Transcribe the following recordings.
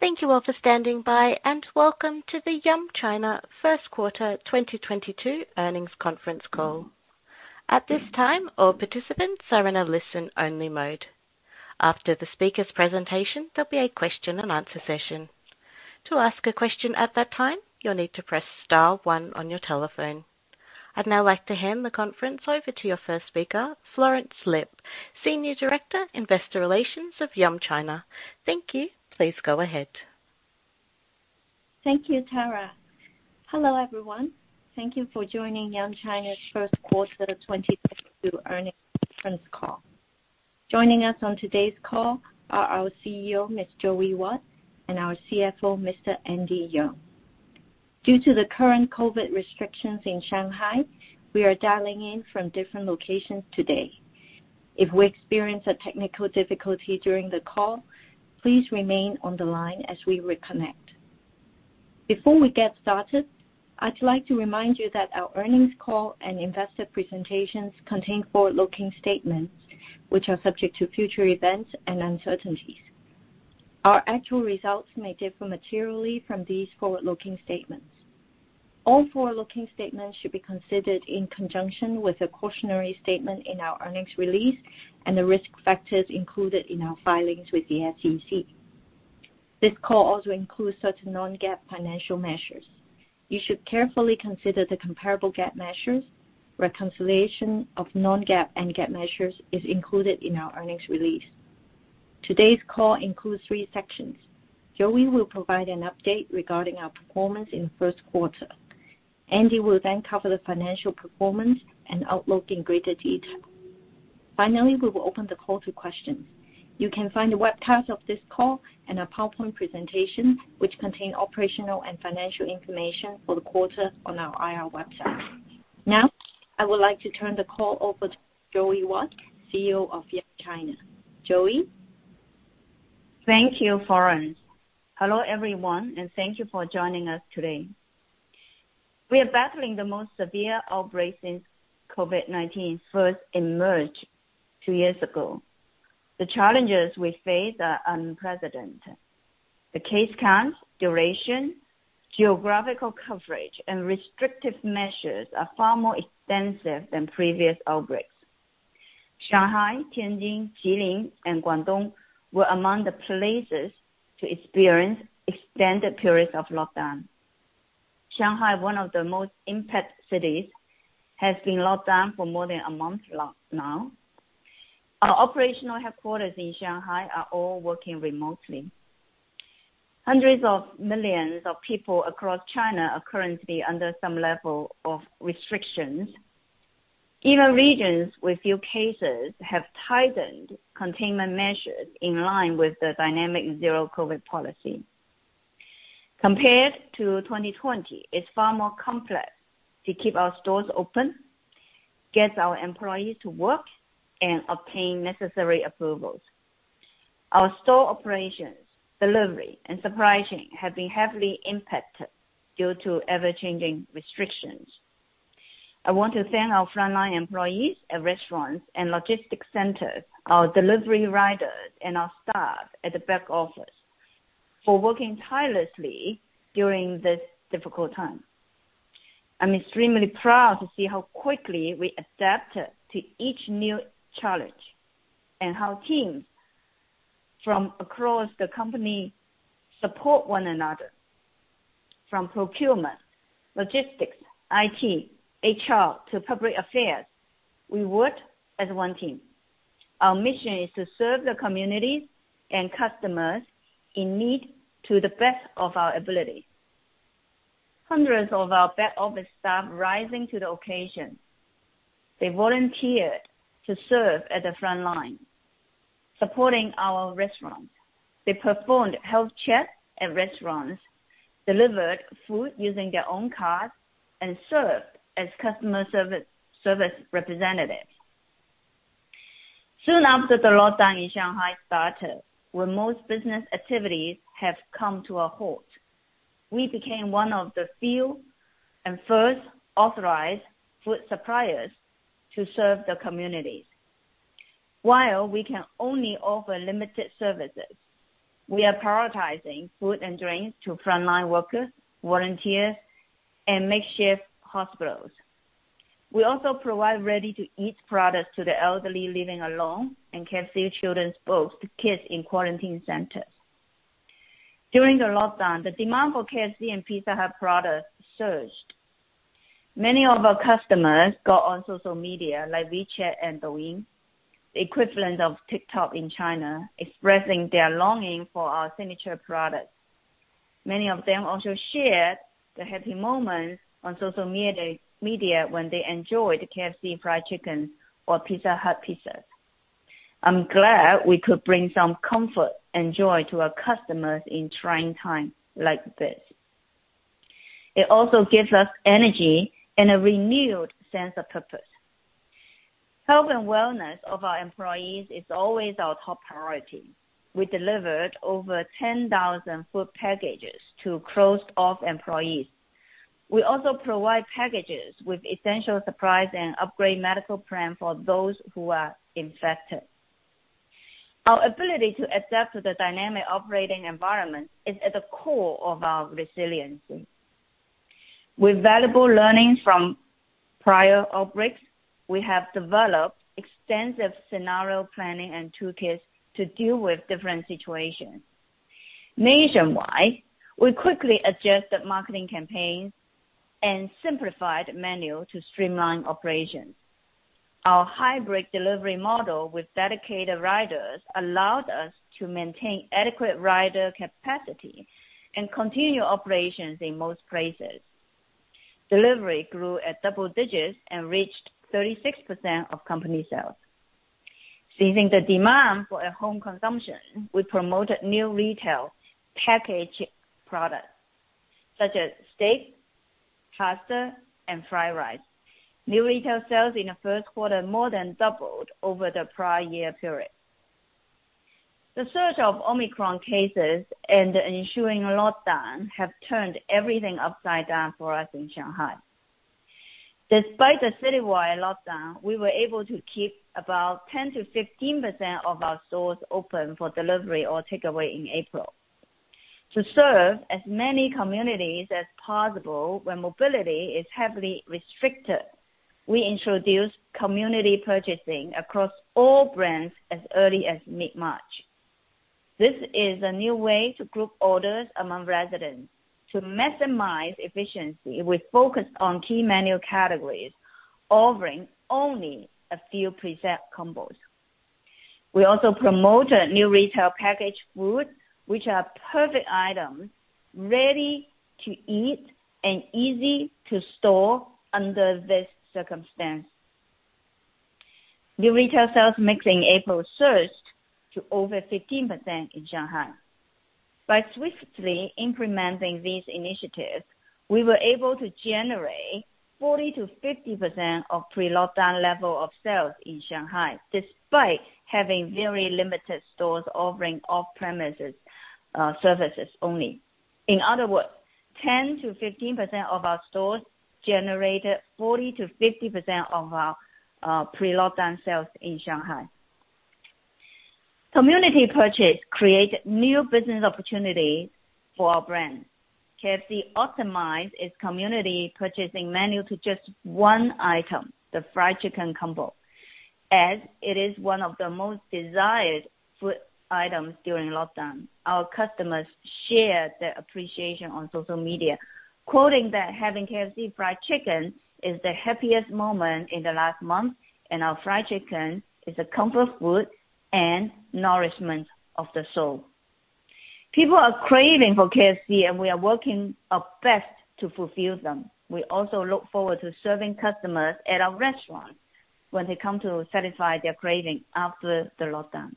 Thank you all for standing by, and welcome to the Yum China Q1 2022 earnings conference call. At this time, all participants are in a listen-only mode. After the speakers' presentation, there'll be a question-and-answer session. To ask a question at that time, you'll need to press star one on your telephone. I'd now like to hand the conference over to your first speaker, Florence Lip, Senior Director, Investor Relations of Yum China. Thank you. Please go ahead. Thank you, Tara. Hello, everyone. Thank you for joining Yum China's first quarter 2022 earnings conference call. Joining us on today's call are our CEO, Ms. Joey Wat, and our CFO, Mr. Andy Yeung. Due to the current COVID restrictions in Shanghai, we are dialing in from different locations today. If we experience a technical difficulty during the call, please remain on the line as we reconnect. Before we get started, I'd like to remind you that our earnings call and investor presentations contain forward-looking statements, which are subject to future events and uncertainties. Our actual results may differ materially from these forward-looking statements. All forward-looking statements should be considered in conjunction with a cautionary statement in our earnings release and the risk factors included in our filings with the SEC. This call also includes certain non-GAAP financial measures. You should carefully consider the comparable GAAP measures. Reconciliation of non-GAAP and GAAP measures is included in our earnings release. Today's call includes three sections. Joey will provide an update regarding our performance in first quarter. Andy will then cover the financial performance and outlook in greater detail. Finally, we will open the call to questions. You can find a webcast of this call in a PowerPoint presentation, which contain operational and financial information for the quarter on our IR website. Now, I would like to turn the call over to Joey Wat, CEO of Yum China. Joey? Thank you, Florence. Hello, everyone, and thank you for joining us today. We are battling the most severe outbreak since COVID-19 first emerged two years ago. The challenges we face are unprecedented. The case count, duration, geographical coverage, and restrictive measures are far more extensive than previous outbreaks. Shanghai, Tianjin, Jilin, and Guangdong were among the places to experience extended periods of lockdown. Shanghai, one of the most impacted cities, has been locked down for more than a month now. Our operational headquarters in Shanghai are all working remotely. Hundreds of millions of people across China are currently under some level of restrictions. Even regions with few cases have tightened containment measures in line with the dynamic zero-COVID policy. Compared to 2020, it's far more complex to keep our stores open, get our employees to work, and obtain necessary approvals. Our store operations, delivery, and supply chain have been heavily impacted due to ever-changing restrictions. I want to thank our frontline employees at restaurants and logistics centers, our delivery riders, and our staff at the back office for working tirelessly during this difficult time. I'm extremely proud to see how quickly we adapted to each new challenge and how teams from across the company support one another. From procurement, logistics, IT, HR, to public affairs, we work as one team. Our mission is to serve the communities and customers in need to the best of our ability. Hundreds of our back office staff rising to the occasion. They volunteered to serve at the front line, supporting our restaurants. They performed health checks at restaurants, delivered food using their own cars, and served as customer service representatives. Soon after the lockdown in Shanghai started, when most business activities have come to a halt, we became one of the few and first authorized food suppliers to serve the communities. While we can only offer limited services, we are prioritizing food and drinks to frontline workers, volunteers, and makeshift hospitals. We also provide ready-to-eat products to the elderly living alone and KFC Children's Day set meal to kids in quarantine centers. During the lockdown, the demand for KFC and Pizza Hut products surged. Many of our customers got on social media like WeChat and Douyin, the equivalent of TikTok in China, expressing their longing for our signature products. Many of them also shared the happy moments on social media when they enjoyed KFC fried chicken or Pizza Hut pizza. I'm glad we could bring some comfort and joy to our customers in trying times like this. It also gives us energy and a renewed sense of purpose. Health and wellness of our employees is always our top priority. We delivered over 10,000 food packages to closed-off employees. We also provide packages with essential supplies and upgraded medical plan for those who are infected. Our ability to adapt to the dynamic operating environment is at the core of our resiliency. With valuable learnings from prior outbreaks, we have developed extensive scenario planning and toolkits to deal with different situations. Nationwide, we quickly adjusted marketing campaigns and simplified menu to streamline operations. Our hybrid delivery model with dedicated riders allowed us to maintain adequate rider capacity and continue operations in most places. Delivery grew at double digits and reached 36% of company sales. Seizing the demand for home consumption, we promoted new retail package products such as steak, pasta, and fried rice. New retail sales in the first quarter more than doubled over the prior year period. The surge of Omicron cases and the ensuing lockdown have turned everything upside down for us in Shanghai. Despite the citywide lockdown, we were able to keep about 10%-15% of our stores open for delivery or takeaway in April. To serve as many communities as possible when mobility is heavily restricted, we introduced community purchasing across all brands as early as mid-March. This is a new way to group orders among residents. To maximize efficiency, we focused on key menu categories, offering only a few preset combos. We also promoted new retail packaged food, which are perfect items ready to eat and easy to store under this circumstance. The retail sales mix in April surged to over 15% in Shanghai. By swiftly implementing these initiatives, we were able to generate 40%-50% of pre-lockdown level of sales in Shanghai, despite having very limited stores offering off-premises, services only. In other words, 10%-15% of our stores generated 40%-50% of our pre-lockdown sales in Shanghai. Community purchase created new business opportunity for our brands. KFC optimized its community purchasing menu to just one item, the fried chicken combo. As it is one of the most desired food items during lockdown, our customers shared their appreciation on social media, quoting that having KFC fried chicken is the happiest moment in the last month, and our fried chicken is a comfort food and nourishment of the soul. People are craving for KFC, and we are working our best to fulfill them. We also look forward to serving customers at our restaurants when they come to satisfy their craving after the lockdown.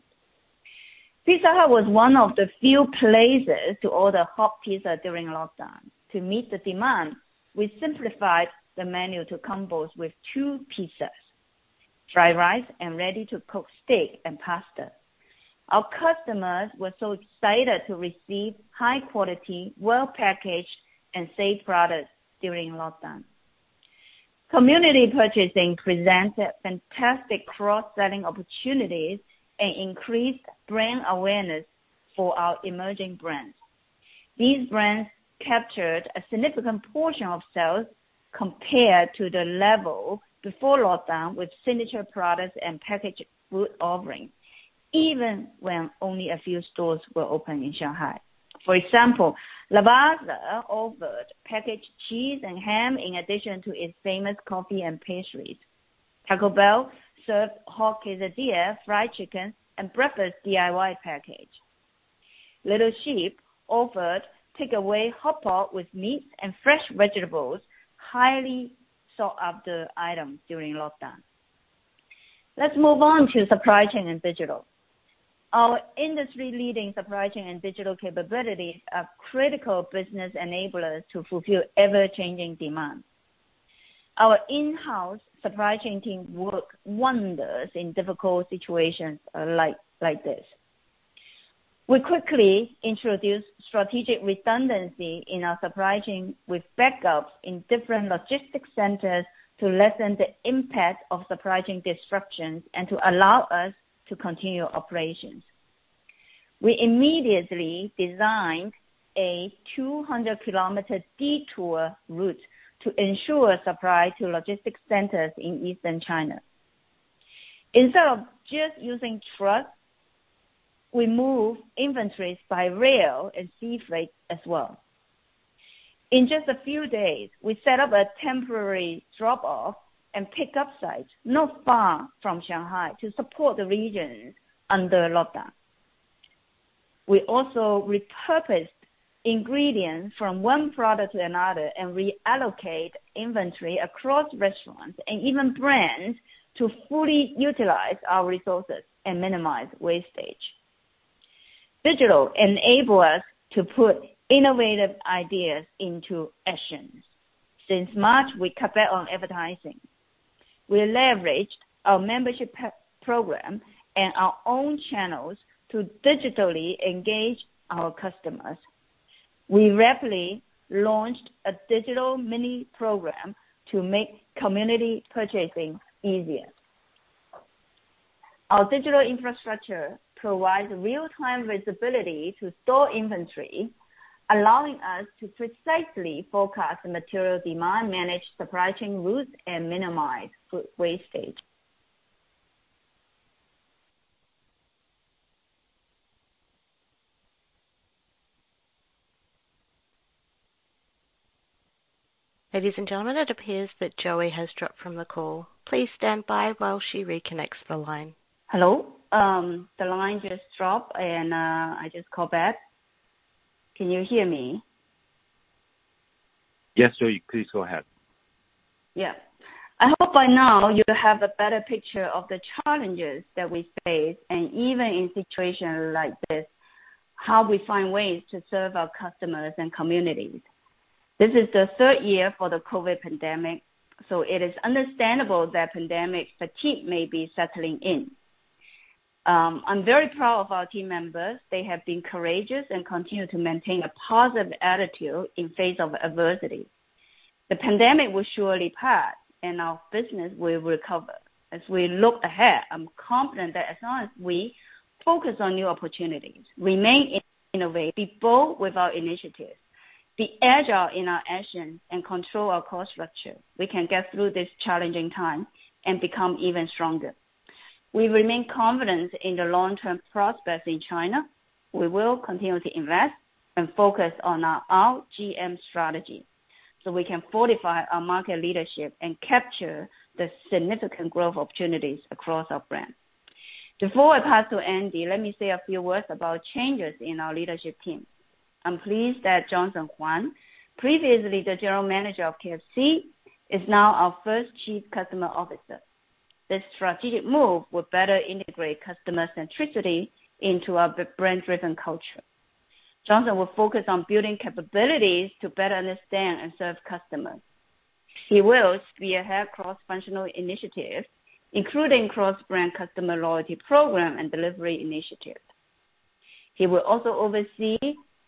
Pizza Hut was one of the few places to order hot pizza during lockdown. To meet the demand, we simplified the menu to combos with two pizzas, fried rice, and ready-to-cook steak and pasta. Our customers were so excited to receive high quality, well-packaged, and safe products during lockdown. Community purchasing presented fantastic cross-selling opportunities and increased brand awareness for our emerging brands. These brands captured a significant portion of sales compared to the level before lockdown with signature products and packaged food offerings, even when only a few stores were open in Shanghai. For example, Lavazza offered packaged cheese and ham in addition to its famous coffee and pastries. Taco Bell served hot quesadilla, fried chicken, and breakfast DIY package. Little Sheep offered takeaway hot pot with meat and fresh vegetables, highly sought-after item during lockdown. Let's move on to supply chain and digital. Our industry-leading supply chain and digital capabilities are critical business enablers to fulfill ever-changing demands. Our in-house supply chain team work wonders in difficult situations like this. We quickly introduced strategic redundancy in our supply chain with backups in different logistics centers to lessen the impact of supply chain disruptions and to allow us to continue operations. We immediately designed a 200 km detour route to ensure supply to logistics centers in Eastern China. Instead of just using trucks, we move inventories by rail and sea freight as well. In just a few days, we set up a temporary drop-off and pickup site not far from Shanghai to support the region under lockdown. We also repurposed ingredients from one product to another and reallocate inventory across restaurants and even brands to fully utilize our resources and minimize wastage. Digital enable us to put innovative ideas into actions. Since March, we cut back on advertising. We leveraged our membership program and our own channels to digitally engage our customers. We rapidly launched a digital mini program to make community purchasing easier. Our digital infrastructure provides real-time visibility to store inventory, allowing us to precisely forecast the material demand, manage supply chain routes, and minimize food wastage. Ladies and gentlemen, it appears that Joey has dropped from the call. Please stand by while she reconnects the line. Hello. The line just dropped and I just call back. Can you hear me? Yes, Joey. Please go ahead. Yeah. I hope by now you have a better picture of the challenges that we face, and even in situations like this, how we find ways to serve our customers and communities. This is the third year for the COVID pandemic. It is understandable that pandemic fatigue may be settling in. I'm very proud of our team members. They have been courageous and continue to maintain a positive attitude in face of adversity. The pandemic will surely pass, and our business will recover. As we look ahead, I'm confident that as long as we focus on new opportunities, remain innovative, be bold with our initiatives, be agile in our action, and control our cost structure, we can get through this challenging time and become even stronger. We remain confident in the long-term prospects in China. We will continue to invest and focus on our RGM strategy, so we can fortify our market leadership and capture the significant growth opportunities across our brand. Before I pass to Andy, let me say a few words about changes in our leadership team. I'm pleased that Johnson Huang, previously the General Manager of KFC, is now our first Chief Customer Officer. This strategic move will better integrate customer centricity into our brand-driven culture. Johnson will focus on building capabilities to better understand and serve customers. He will spearhead cross-functional initiatives, including cross-brand customer loyalty program and delivery initiative. He will also oversee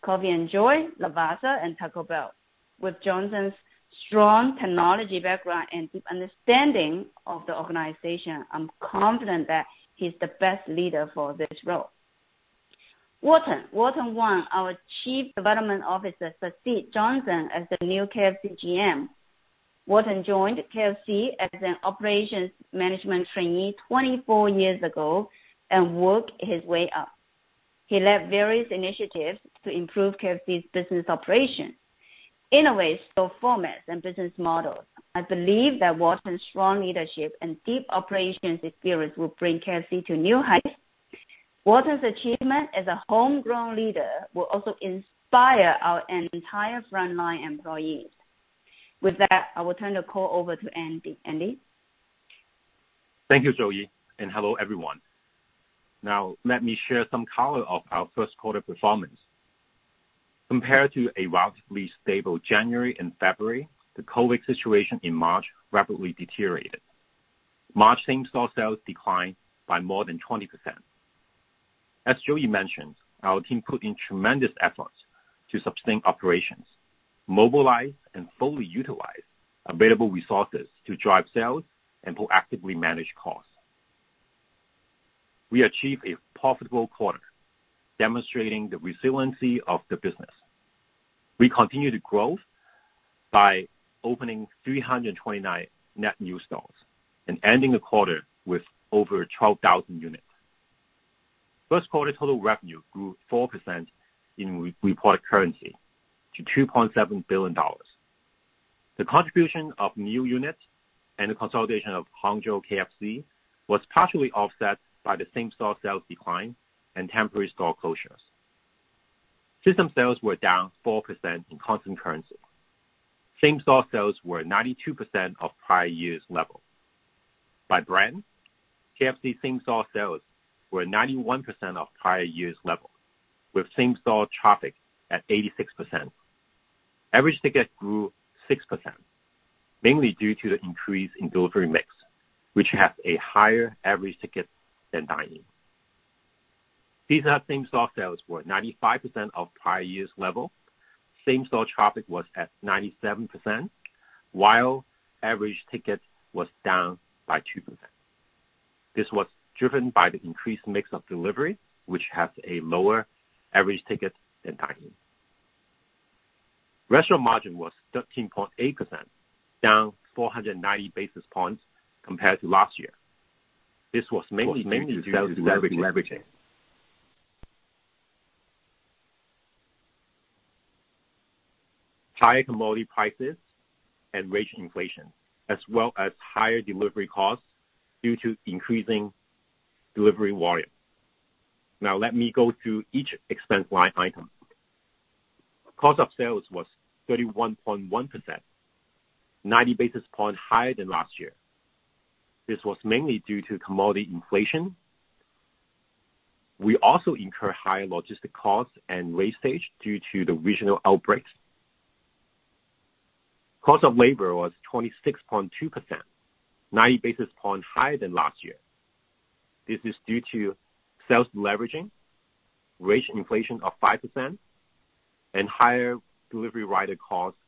COFFii & JOY, Lavazza, and Taco Bell. With Johnson's strong technology background and deep understanding of the organization, I'm confident that he's the best leader for this role. Warton Wang, our Chief Development Officer, succeed Johnson as the new KFC GM. Warton joined KFC as an operations management trainee 24 years ago and work his way up. He led various initiatives to improve KFC's business operations, innovate store formats and business models. I believe that Warton's strong leadership and deep operations experience will bring KFC to new heights. Warton's achievement as a homegrown leader will also inspire our entire frontline employees. With that, I will turn the call over to Andy. Andy? Thank you, Joey, and hello, everyone. Now, let me share some color of our first quarter performance. Compared to a relatively stable January and February, the COVID situation in March rapidly deteriorated. March same-store sales declined by more than 20%. As Joey mentioned, our team put in tremendous efforts to sustain operations, mobilize and fully utilize available resources to drive sales and to actively manage costs. We achieved a profitable quarter, demonstrating the resiliency of the business. We continued growth by opening 329 net new stores and ending the quarter with over 12,000 units. First quarter total revenue grew 4% in reported currency to $2.7 billion. The contribution of new units and the consolidation of Hangzhou KFC was partially offset by the same-store sales decline and temporary store closures. System sales were down 4% in constant currency. Same-store sales were 92% of prior year's level. By brand, KFC same-store sales were 91% of prior year's level, with same-store traffic at 86%. Average ticket grew 6%, mainly due to the increase in delivery mix, which has a higher average ticket than dine-in. Pizza Hut same-store sales were 95% of prior year's level. Same-store traffic was at 97%, while average ticket was down by 2%. This was driven by the increased mix of delivery, which has a lower average ticket than dine-in. Restaurant margin was 13.8%, down 490 basis points compared to last year. This was mainly due to delivery, higher commodity prices and wage inflation, as well as higher delivery costs due to increasing delivery volume. Now let me go through each expense line item. Cost of sales was 31.1%, 90 basis points higher than last year. This was mainly due to commodity inflation. We also incur higher logistic costs and wasteage due to the regional outbreaks. Cost of labor was 26.2%, 90 basis points higher than last year. This is due to sales leveraging, wage inflation of 5%, and higher delivery rider costs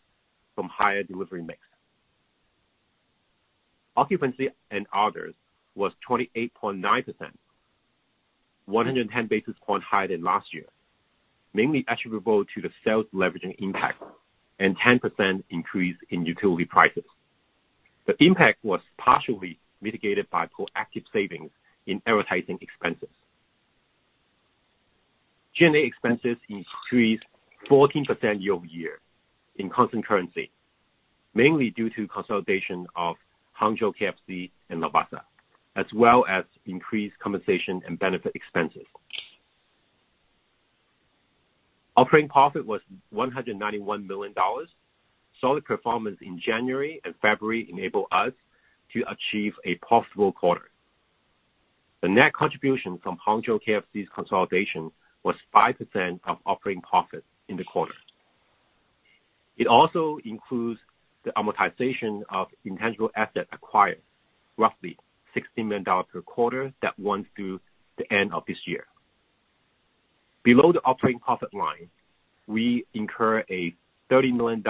from higher delivery mix. Occupancy and others was 28.9%, 110 basis points higher than last year, mainly attributable to the sales leveraging impact and 10% increase in utility prices. The impact was partially mitigated by proactive savings in advertising expenses. G&A expenses increased 14% year over year in constant currency, mainly due to consolidation of Hangzhou KFC and Lavazza, as well as increased compensation and benefit expenses. Operating profit was $191 million. Solid performance in January and February enabled us to achieve a profitable quarter. The net contribution from Hangzhou KFC's consolidation was 5% of operating profit in the quarter. It also includes the amortization of intangible assets acquired, roughly $60 million per quarter that runs through the end of this year. Below the operating profit line, we incur a $30 million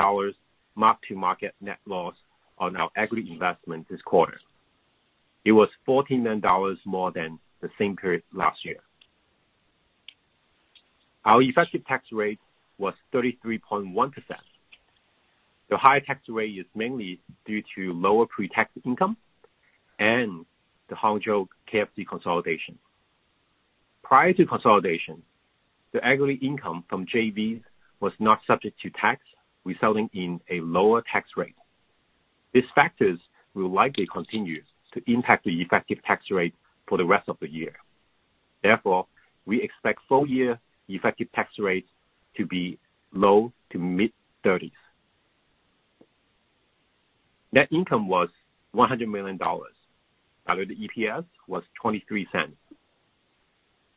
mark-to-market net loss on our equity investment this quarter. It was $49 million more than the same period last year. Our effective tax rate was 33.1%. The high tax rate is mainly due to lower pre-tax income and the Hangzhou KFC consolidation. Prior to consolidation, the equity income from JVs was not subject to tax, resulting in a lower tax rate. These factors will likely continue to impact the effective tax rate for the rest of the year. Therefore, we expect full year effective tax rates to be low- to mid-30s%. Net income was $100 million. Diluted EPS was $0.23.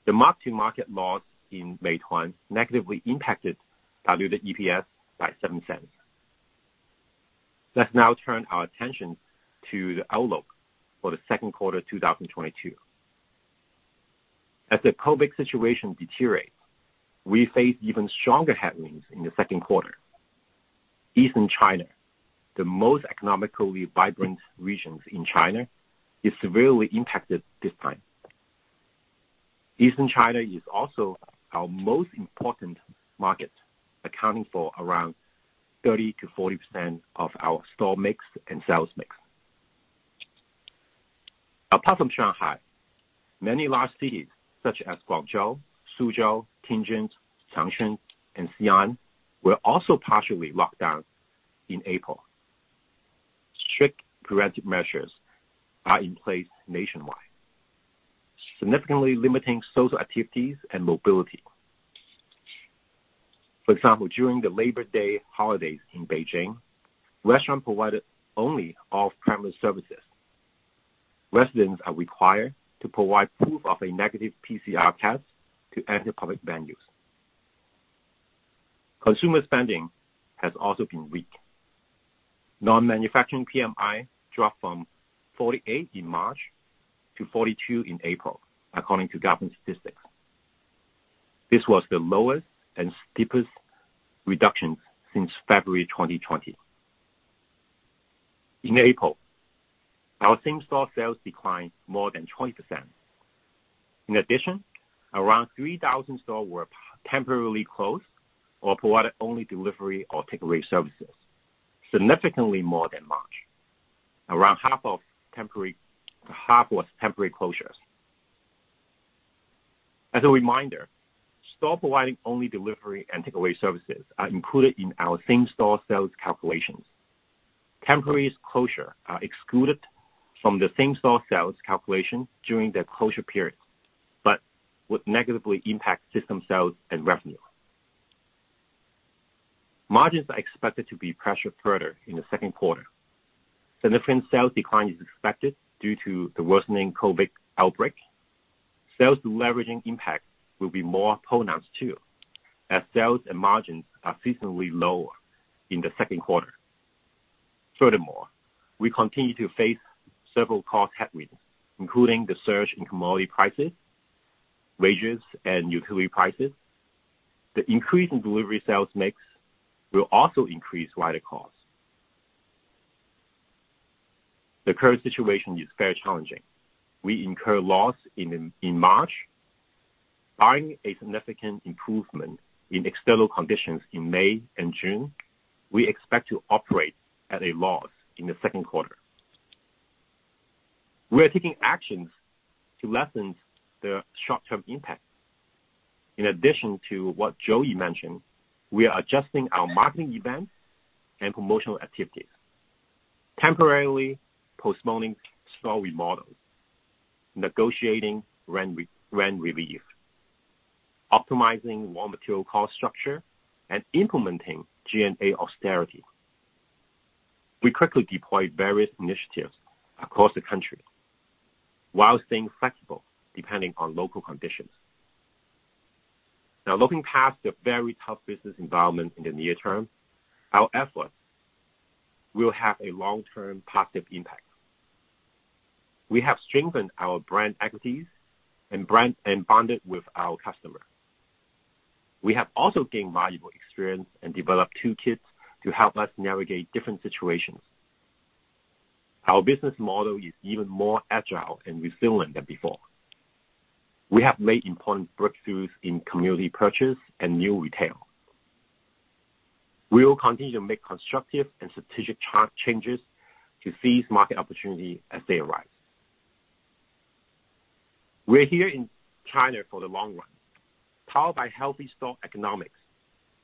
The mark-to-market loss in Meituan negatively impacted diluted EPS by $0.07. Let's now turn our attention to the outlook for the second quarter 2022. As the COVID situation deteriorates, we face even stronger headwinds in the second quarter. Eastern China, the most economically vibrant region in China, is severely impacted this time. Eastern China is also our most important market, accounting for around 30%-40% of our store mix and sales mix. Apart from Shanghai, many large cities such as Guangzhou, Suzhou, Tianjin, Changchun, and Xi'an were also partially locked down in April. Strict preventive measures are in place nationwide, significantly limiting social activities and mobility. For example, during the Labor Day holidays in Beijing, restaurants provided only off-premise services. Residents are required to provide proof of a negative PCR test to enter public venues. Consumer spending has also been weak. Non-manufacturing PMI dropped from 48 in March to 42 in April, according to government statistics. This was the lowest and steepest reduction since February 2020. In April, our same-store sales declined more than 20%. In addition, around 3,000 stores were temporarily closed or provided only delivery or takeaway services, significantly more than March. Around half was temporary closures. As a reminder, stores providing only delivery and takeaway services are included in our same-store sales calculations. Temporary closures are excluded from the same-store sales calculation during the closure period, but would negatively impact system sales and revenue. Margins are expected to be pressured further in the second quarter. Significant sales decline is expected due to the worsening COVID outbreak. Sales deleveraging impact will be more pronounced too, as sales and margins are seasonally lower in the second quarter. Furthermore, we continue to face several cost headwinds, including the surge in commodity prices, wages, and utility prices. The increase in delivery sales mix will also increase rider costs. The current situation is very challenging. We incurred loss in March. Barring a significant improvement in external conditions in May and June, we expect to operate at a loss in the second quarter. We are taking actions to lessen the short-term impact. In addition to what Joey mentioned, we are adjusting our marketing events and promotional activities, temporarily postponing store remodels, negotiating rent relief, optimizing raw material cost structure, and implementing G&A austerity. We quickly deployed various initiatives across the country while staying flexible depending on local conditions. Now looking past the very tough business environment in the near term, our efforts will have a long-term positive impact. We have strengthened our brand equities and bonded with our customer. We have also gained valuable experience and developed toolkits to help us navigate different situations. Our business model is even more agile and resilient than before. We have made important breakthroughs in community purchase and new retail. We will continue to make constructive and strategic changes to seize market opportunity as they arise. We're here in China for the long run. Powered by healthy store economics,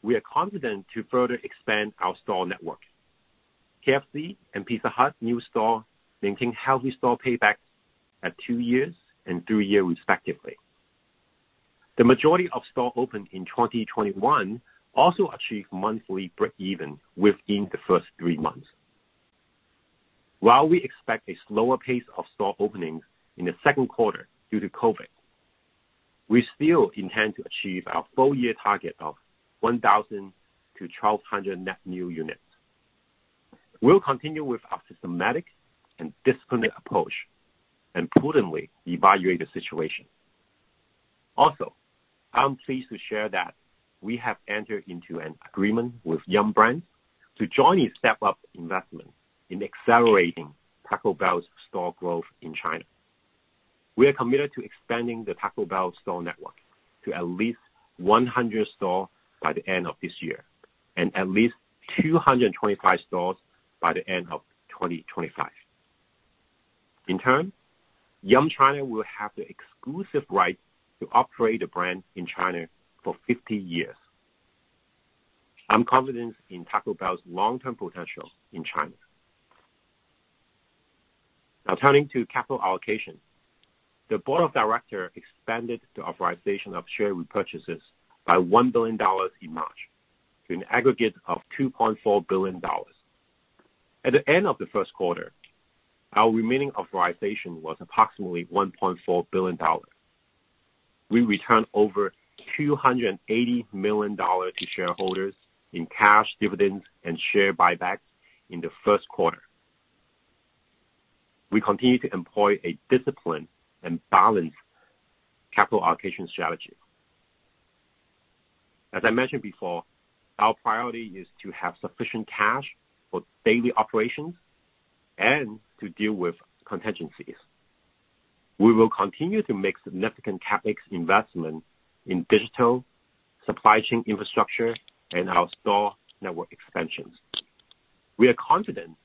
we are confident to further expand our store network. KFC and Pizza Hut new store maintain healthy store payback at two years and three years respectively. The majority of stores opened in 2021 also achieved monthly break-even within the first three months. While we expect a slower pace of store openings in the second quarter due to COVID, we still intend to achieve our full-year target of 1,000-1,200 net new units. We'll continue with our systematic and disciplined approach and prudently evaluate the situation. Also, I'm pleased to share that we have entered into an agreement with Yum! Brands to jointly step up investment in accelerating Taco Bell's store growth in China. We are committed to expanding the Taco Bell store network to at least 100 stores by the end of this year and at least 225 stores by the end of 2025. In turn, Yum China will have the exclusive right to operate the brand in China for 50 years. I'm confident in Taco Bell's long-term potential in China. Now turning to capital allocation. The board of directors expanded the authorization of share repurchases by $1 billion in March to an aggregate of $2.4 billion. At the end of the first quarter, our remaining authorization was approximately $1.4 billion. We returned over $280 million to shareholders in cash dividends and share buybacks in the first quarter. We continue to employ a disciplined and balanced capital allocation strategy. As I mentioned before, our priority is to have sufficient cash for daily operations and to deal with contingencies. We will continue to make significant CapEx investment in digital, supply chain infrastructure, and our store network expansions. We are confident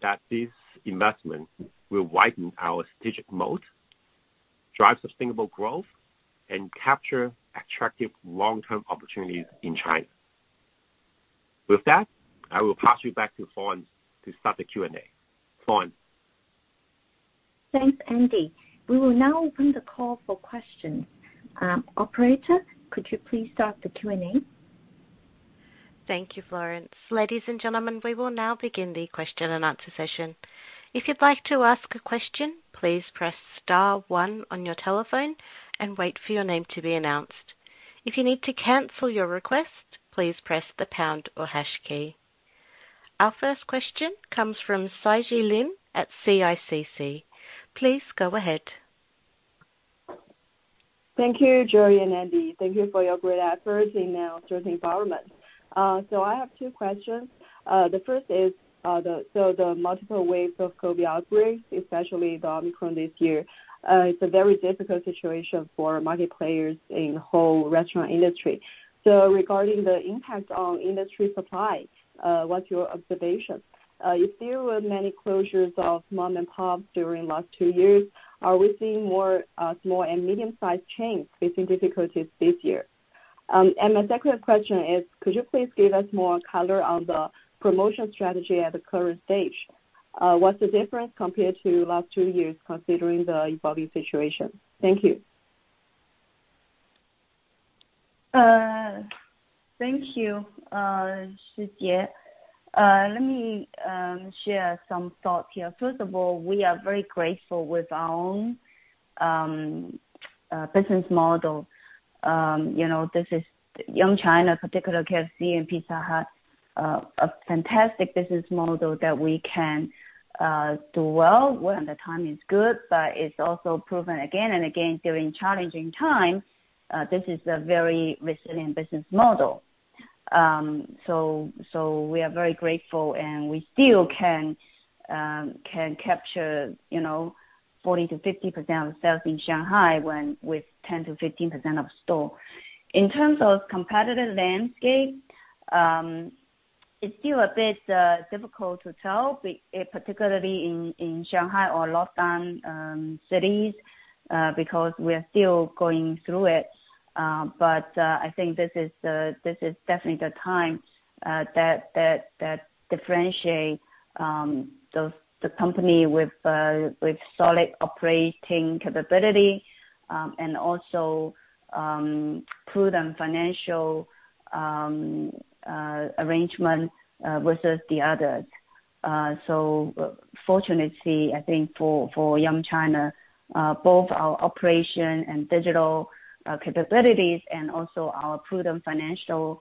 that these investments will widen our strategic moat, drive sustainable growth, and capture attractive long-term opportunities in China. With that, I will pass you back to Florence to start the Q&A. Florence. Thanks, Andy. We will now open the call for questions. Operator, could you please start the Q&A? Thank you, Florence. Ladies and gentlemen, we will now begin the question-and-answer session. If you'd like to ask a question, please press star one on your telephone and wait for your name to be announced. If you need to cancel your request, please press the pound or hash key. Our first question comes from Sijie Lin at CICC. Please go ahead. Thank you, Joey and Andy. Thank you for your great efforts in the current environment. I have two questions. The multiple waves of COVID outbreaks, especially the Omicron this year. It's a very difficult situation for market players in the whole restaurant industry. Regarding the impact on industry supply, what's your observation? You see many closures of mom and pops during last two years. Are we seeing more small and medium-sized chains facing difficulties this year? And my second question is, could you please give us more color on the promotion strategy at the current stage? What's the difference compared to last two years considering the evolving situation? Thank you. Thank you, Sijie Lin. Let me share some thoughts here. First of all, we are very grateful for our own business model. You know, this is Yum China, particularly KFC and Pizza Hut, a fantastic business model that we can do well when times are good, but it's also proven again and again during challenging times, this is a very resilient business model. So we are very grateful, and we still can capture, you know, 40%-50% of sales in Shanghai with 10%-15% of stores. In terms of competitive landscape, it's still a bit difficult to tell, particularly in Shanghai or lockdown cities, because we're still going through it. I think this is definitely the time that differentiates the company with solid operating capability and also prudent financial arrangement versus the others. Fortunately, I think for Yum China, both our operation and digital capabilities and also our prudent financial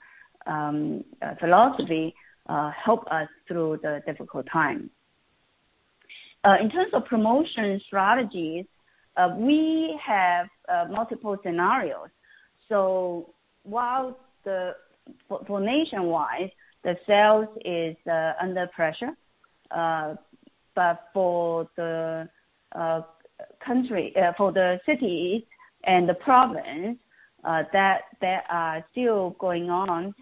philosophy help us through the difficult time. In terms of promotion strategies, we have multiple scenarios. While for nationwide, the sales is under pressure. For the cities and the province that are still going on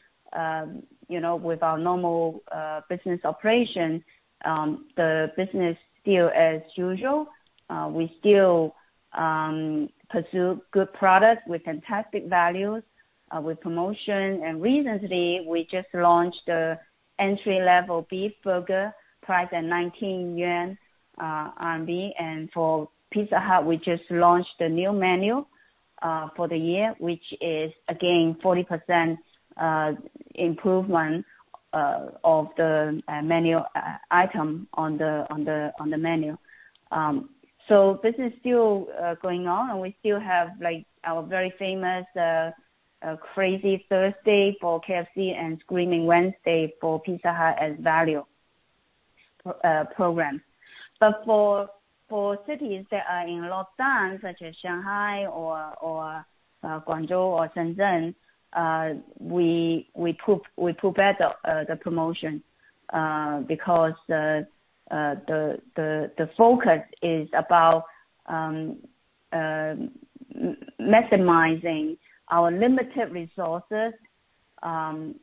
you know with our normal business operation, the business still as usual. We still pursue good product with fantastic values with promotion. Recently we just launched the entry-level beef burger priced at 19 yuan. For Pizza Hut, we just launched a new menu for the year, which is again 40% improvement of the menu item on the menu. This is still going on, and we still have like our very famous Crazy Thursday for KFC and Screaming Wednesday for Pizza Hut as value program. For cities that are in lockdown, such as Shanghai or Guangzhou or Shenzhen, we put back the promotion. Because the focus is about maximizing our limited resources to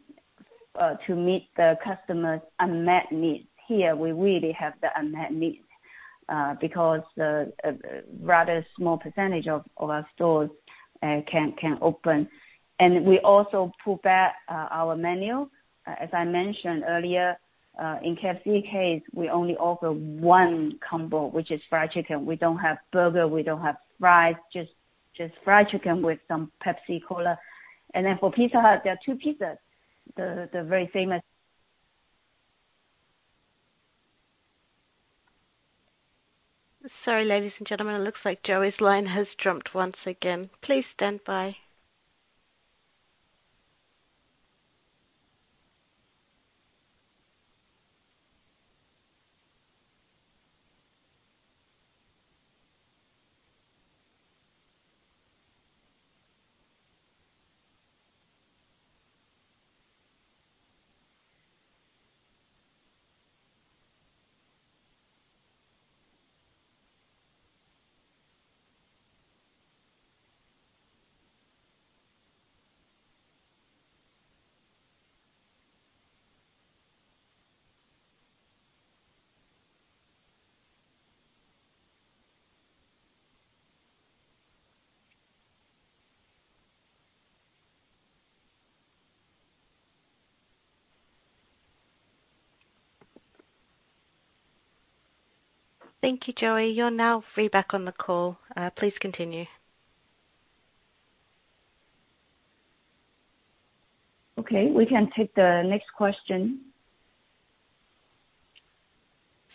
meet the customer's unmet needs. Here, we really have the unmet needs because a rather small percentage of our stores can open. We also put back our menu. As I mentioned earlier, in KFC case, we only offer one combo, which is fried chicken. We don't have burger, we don't have fries, just fried chicken with some Pepsi Cola. For Pizza Hut, there are two pizzas. The very famous Sorry, ladies and gentlemen, it looks like Joey's line has dropped once again. Please stand by. Thank you, Joey. You're now free back on the call. Please continue. Okay. We can take the next question.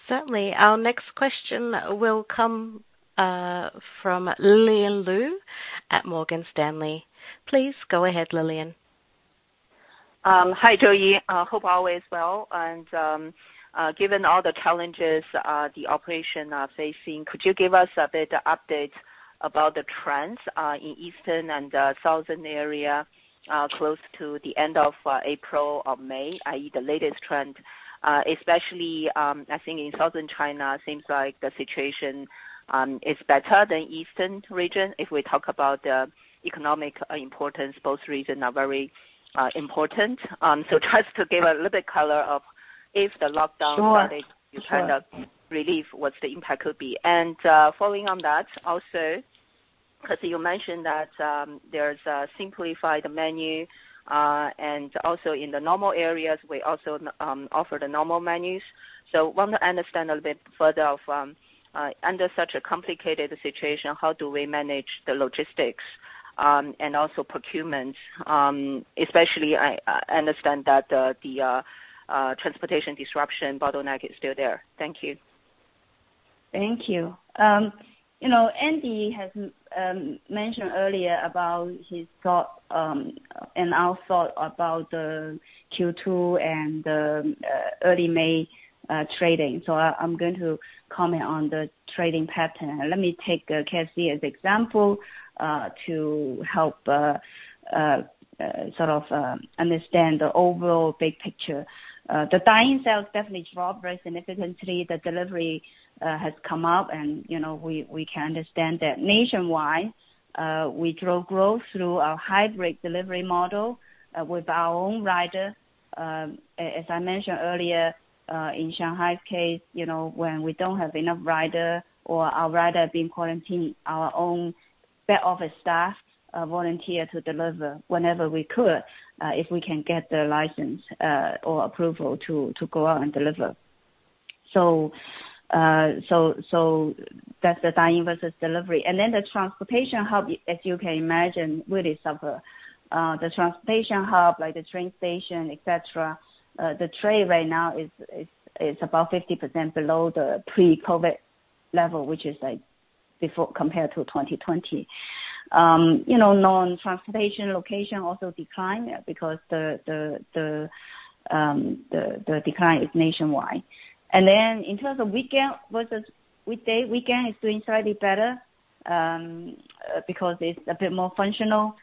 Certainly. Our next question will come from Lillian Lou at Morgan Stanley. Please go ahead, Lillian. Hi, Joey. Hope all is well. Given all the challenges, the operation are facing, could you give us a bit update about the trends in eastern and southern area close to the end of April or May, i.e., the latest trend? Especially, I think in southern China seems like the situation is better than eastern region. If we talk about the economic importance, both regions are very important. Just to give a little bit color of if the lockdown- Sure. Friday is kind of a relief, what the impact could be? Following on that also, because you mentioned that, there's a simplified menu, and also in the normal areas we also offer the normal menus. Want to understand a little bit further of, under such a complicated situation, how do we manage the logistics, and also procurement, especially I understand that the transportation disruption bottleneck is still there. Thank you. Thank you. You know, Andy has mentioned earlier about his thought and our thought about the Q2 and the early May trading. I'm going to comment on the trading pattern. Let me take KFC as example to help sort of understand the overall big picture. The dine-in sales definitely dropped very significantly. The delivery has come up and, you know, we can understand that nationwide we drove growth through our hybrid delivery model with our own rider. As I mentioned earlier, in Shanghai's case, you know, when we don't have enough rider or our rider being quarantined, our own back office staff volunteer to deliver whenever we could, if we can get the license or approval to go out and deliver. That's the dine-in versus delivery. The transportation hub, as you can imagine, really suffer. The transportation hub, like the train station, et cetera, the trade right now is about 50% below the pre-COVID level compared to 2020. You know, non-transportation location also declined because the decline is nationwide. In terms of weekend versus weekday, weekend is doing slightly better because it's a bit more functional.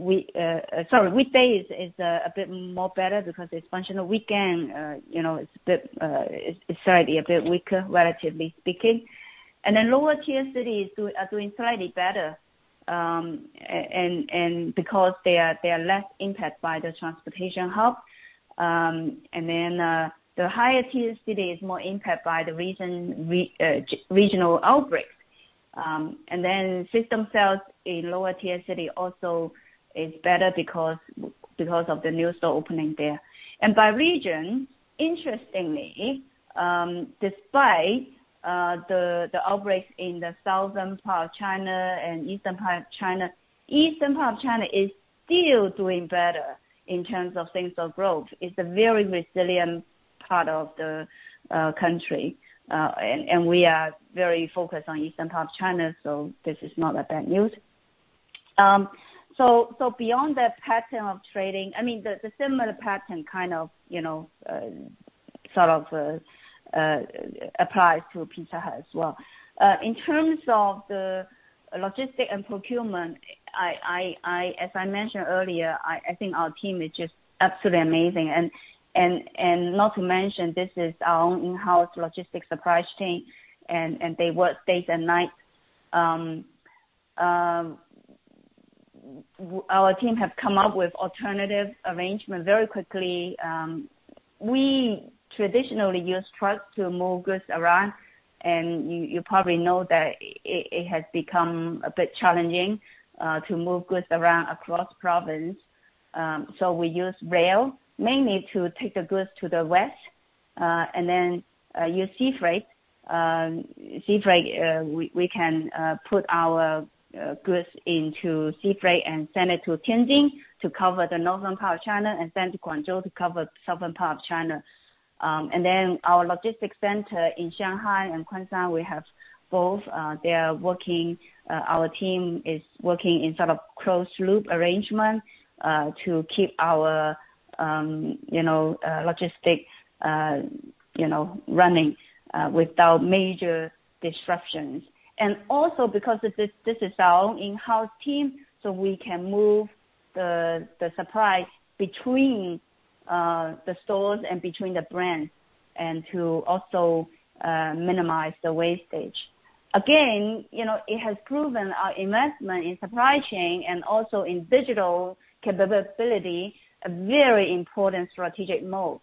Weekday is a bit more better because it's functional. Weekend, you know, it's a bit, it's slightly a bit weaker, relatively speaking. Lower tier cities are doing slightly better because they are less impacted by the transportation hub. The higher-tier city is more impacted by the regional outbreaks. System sales in lower tier city also is better because of the new store opening there. By region, interestingly, despite the outbreaks in the southern part of China and eastern part of China, eastern part of China is still doing better in terms of same store growth. It's a very resilient part of the country. We are very focused on eastern part of China, so this is not that bad news. Beyond the pattern of trading, I mean, the similar pattern kind of, you know, sort of applies to Pizza Hut as well. In terms of the logistics and procurement, as I mentioned earlier, I think our team is just absolutely amazing. Not to mention, this is our own in-house logistics supply chain, and they work days and nights. Our team have come up with alternative arrangement very quickly. We traditionally use trucks to move goods around, and you probably know that it has become a bit challenging to move goods around across provinces. We use rail mainly to take the goods to the west, and then use sea freight. Sea freight, we can put our goods into sea freight and send it to Tianjin to cover the northern part of China and send to Guangzhou to cover southern part of China. Our logistics center in Shanghai and Guangdong, we have both, they are working, our team is working in sort of closed loop arrangement, to keep our, you know, logistics, you know, running, without major disruptions. Also because this is our own in-house team, so we can move the supply between the stores and between the brands and to also minimize the wastage. Again, you know, it has proven our investment in supply chain and also in digital capability, a very important strategic move,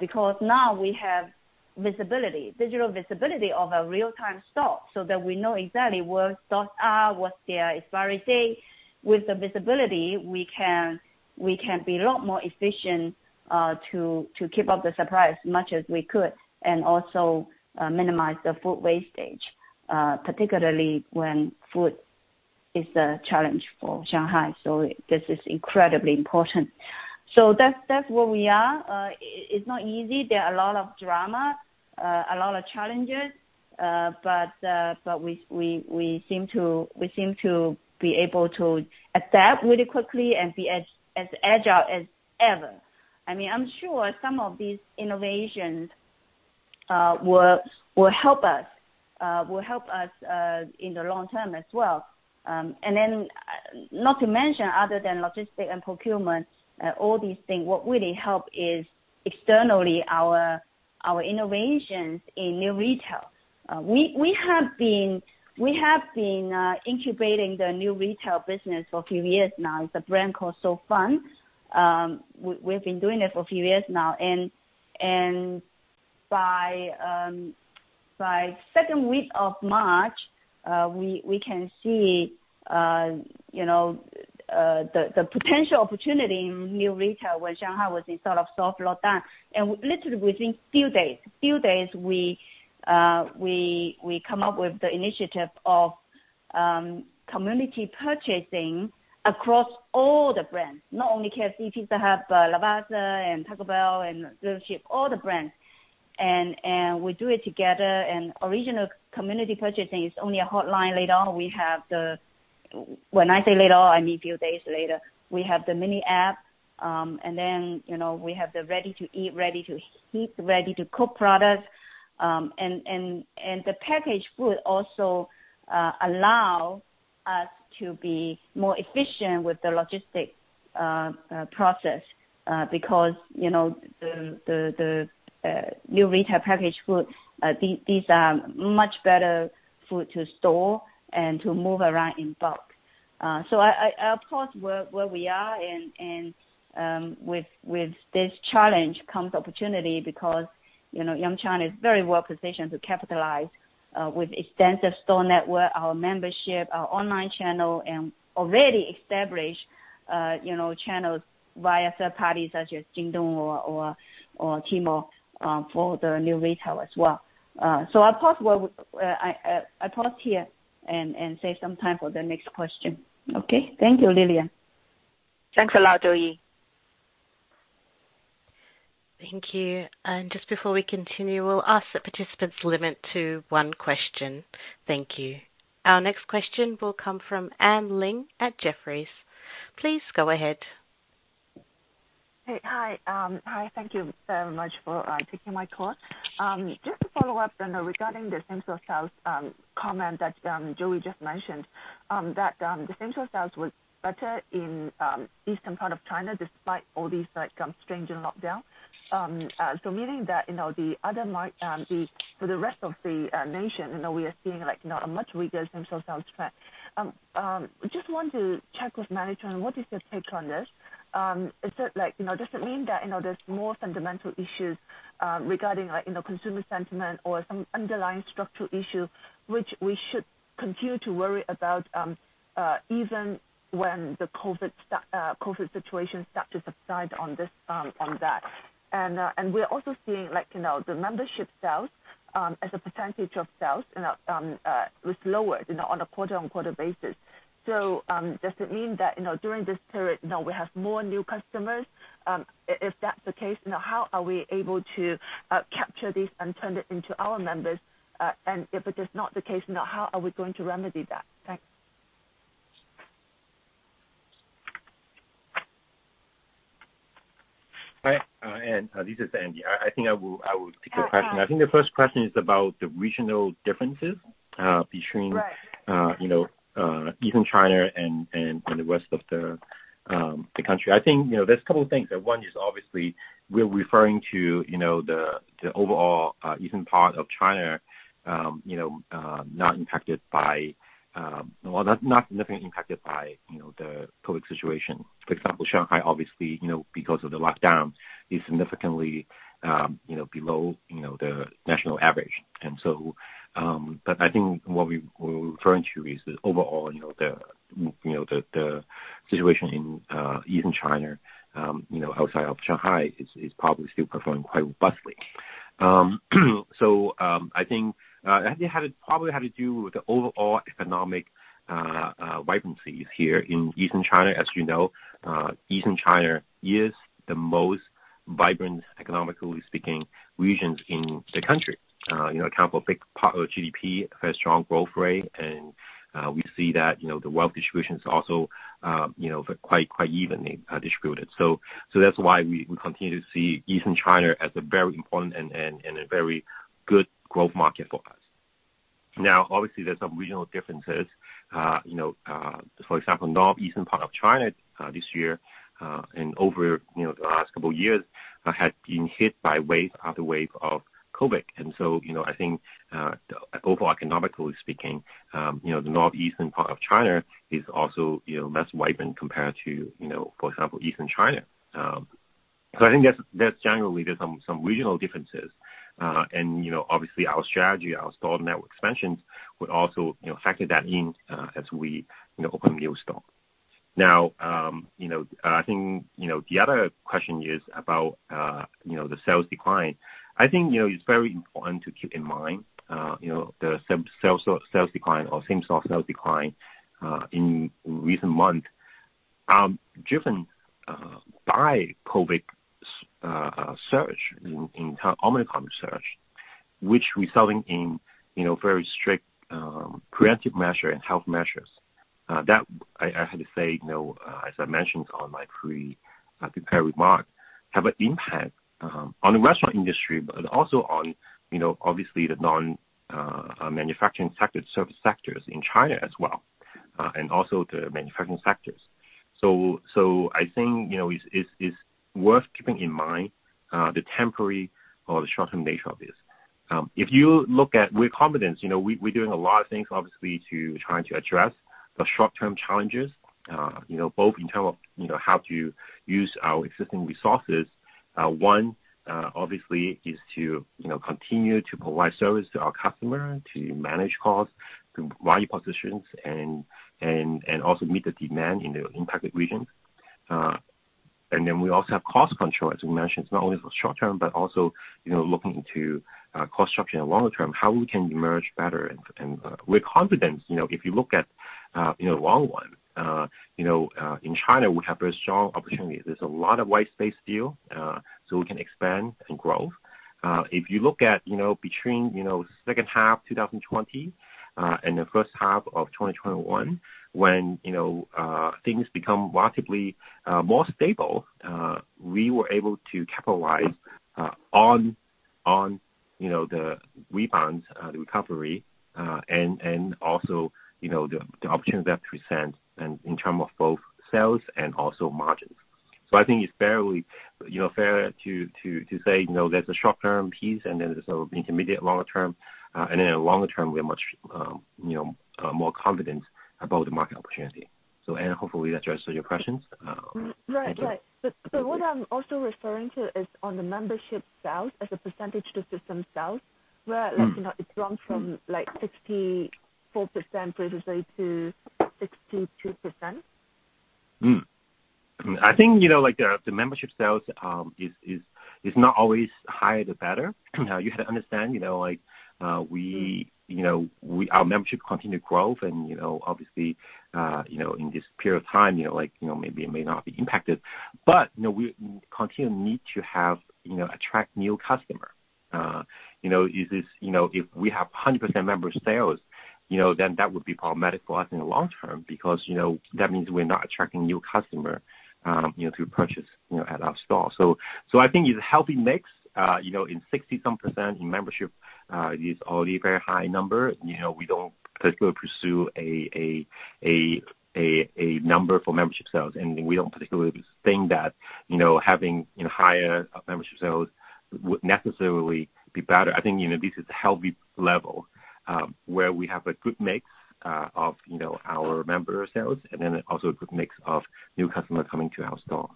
because now we have visibility, digital visibility of a real time store, so that we know exactly where stores are, what's their expiry date. With the visibility, we can be a lot more efficient to keep up the supply as much as we could and also minimize the food wastage, particularly when food is a challenge for Shanghai. This is incredibly important. That's where we are. It's not easy. There are a lot of drama, a lot of challenges. We seem to be able to adapt really quickly and be as agile as ever. I mean, I'm sure some of these innovations will help us in the long term as well. Not to mention, other than logistics and procurement, all these things, what really helps is externally our innovations in new retail. We have been incubating the new retail business for a few years now. It's a brand called Shaofaner. We've been doing it for a few years now. By second week of March, we can see you know the potential opportunity in new retail when Shanghai was in sort of soft lockdown. Literally within a few days, we come up with the initiative of community purchasing across all the brands, not only KFC, Pizza Hut, but Lavazza and Taco Bell and Little Sheep, all the brands. We do it together. Original community purchasing is only a hotline. Later on, we have the. When I say later on, I mean a few days later. We have the mini app, and then, you know, we have the ready-to-eat, ready-to-heat, ready-to-cook products. And the packaged food also allow us to be more efficient with the logistics process, because, you know, the new retail packaged food, these are much better food to store and to move around in bulk. So of course, where we are and with this challenge comes opportunity because, you know, Yum China is very well positioned to capitalize on, with extensive store network, our membership, our online channel, and already established, you know, channels via third parties such as Jingdong or Tmall, for the new retail as well. So I'll pause here and save some time for the next question. Okay. Thank you, Lillian. Thanks a lot, Joey. Thank you. Just before we continue, we'll ask the participants to limit to one question. Thank you. Our next question will come from Anne Ling at Jefferies. Please go ahead. Hey. Hi. Hi, thank you very much for taking my call. Just to follow up, you know, regarding the same store sales comment that Joey just mentioned, that the same store sales was better in eastern part of China despite all these, like, stringent lockdown. Meaning that, you know, the other markets for the rest of the nation, you know, we are seeing like not a much weaker same store sales trend. Just want to check with management what is your take on this. Is it like, you know, does it mean that, you know, there's more fundamental issues, regarding like, you know, consumer sentiment or some underlying structural issue which we should continue to worry about, even when the COVID situation starts to subside on this, on that? We're also seeing like, you know, the membership sales, as a percentage of sales, you know, was lower, you know, on a quarter-on-quarter basis. Does it mean that, you know, during this period, you know, we have more new customers? If that's the case, you know, how are we able to, capture this and turn it into our members? And if it is not the case, you know, how are we going to remedy that? Thanks. Hi, Anne, this is Andy. I think I will take your question. Okay. I think the first question is about the regional differences. Right You know, even China and the rest of the country. I think, you know, there's a couple things. One is obviously we're referring to the overall eastern part of China, you know, not impacted by. Well, not nothing impacted by the COVID situation. For example, Shanghai, obviously, you know, because of the lockdown is significantly below the national average. But I think what we're referring to is the overall situation in eastern China outside of Shanghai is probably still performing quite robustly. So, I think it probably had to do with the overall economic vibrancy here in eastern China. As you know, eastern China is the most vibrant, economically speaking, regions in the country. You know, account for a big part of GDP, very strong growth rate, and we see that, you know, the wealth distribution is also, you know, quite evenly distributed. That's why we continue to see eastern China as a very important and a very good growth market for us. Now, obviously there's some regional differences. You know, for example, northeastern part of China, this year and over, you know, the last couple years, had been hit by wave after wave of COVID. You know, I think, overall economically speaking, you know, the northeastern part of China is also, you know, less vibrant compared to, you know, for example, eastern China. I think that's generally there's some regional differences. You know, obviously our strategy, our store network expansions would also, you know, factor that in, as we, you know, open new store. Now, you know, I think, you know, the other question is about, you know, the sales decline. I think, you know, it's very important to keep in mind, you know, the same-store sales decline in recent months are driven by COVID surge in terms of Omicron surge, which resulting in, you know, very strict preventive measure and health measures, that I have to say, you know, as I mentioned in my prepared remarks, have an impact on the restaurant industry but also on, you know, obviously the non-manufacturing service sectors in China as well, and also the manufacturing sectors. I think, you know, it's worth keeping in mind the temporary or the short-term nature of this. If you look at with confidence, you know, we're doing a lot of things obviously trying to address the short-term challenges, you know, both in terms of, you know, how to use our existing resources. One obviously is to, you know, continue to provide service to our customer, to manage costs, to value propositions and also meet the demand in the impacted regions. Then we also have cost control. As we mentioned, it's not only for short term, but also, you know, looking to cost structure in longer term, how we can emerge better. We're confident, you know, if you look at, you know, long run, you know, in China we have very strong opportunities. There's a lot of white space still, so we can expand and grow. If you look at, you know, between, you know, second half 2020 and the first half of 2021, when, you know, things become relatively more stable, we were able to capitalize on, you know, the rebound, the recovery, and also, you know, the opportunities that presented in terms of both sales and also margins. I think it's fairly, you know, fair to say, you know, there's a short-term piece and then there's an intermediate longer term, and then a longer term we are much, you know, more confident about the market opportunity. Anne, hopefully that answers your questions. Right. What I'm also referring to is on the membership sales as a percentage to system sales, where, like, you know, it's grown from, like, 64% previously to 62%. I think, you know, like, the membership sales is not always higher the better. You have to understand, you know, like, our membership continue growth and, you know, obviously, you know, in this period of time, you know, like, you know, maybe it may not be impacted. You know, we continue need to have, you know, attract new customer. You know, if we have 100% member sales, you know, then that would be problematic for us in the long term. Because, you know, that means we're not attracting new customer, you know, to purchase, you know, at our store. I think it's a healthy mix, you know, in 60-some percent in membership is already very high number. You know, we don't particularly pursue a number for membership sales, and we don't particularly think that, you know, having, you know, higher membership sales would necessarily be better. I think, you know, this is healthy level, where we have a good mix of you know, our member sales and then also a good mix of new customers coming to our store.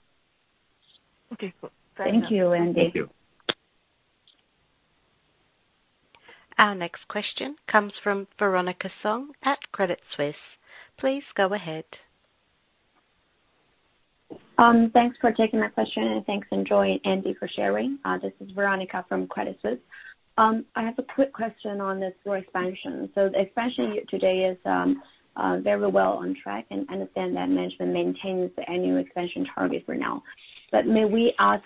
Okay, cool. Thank you, Andy. Thank you. Our next question comes from Veronica Song at Credit Suisse. Please go ahead. Thanks for taking my question, and thanks, Joey and Andy, for sharing. This is Veronica Song from Credit Suisse. I have a quick question on the store expansion. The expansion today is very well on track. I understand that management maintains the annual expansion target for now. May we ask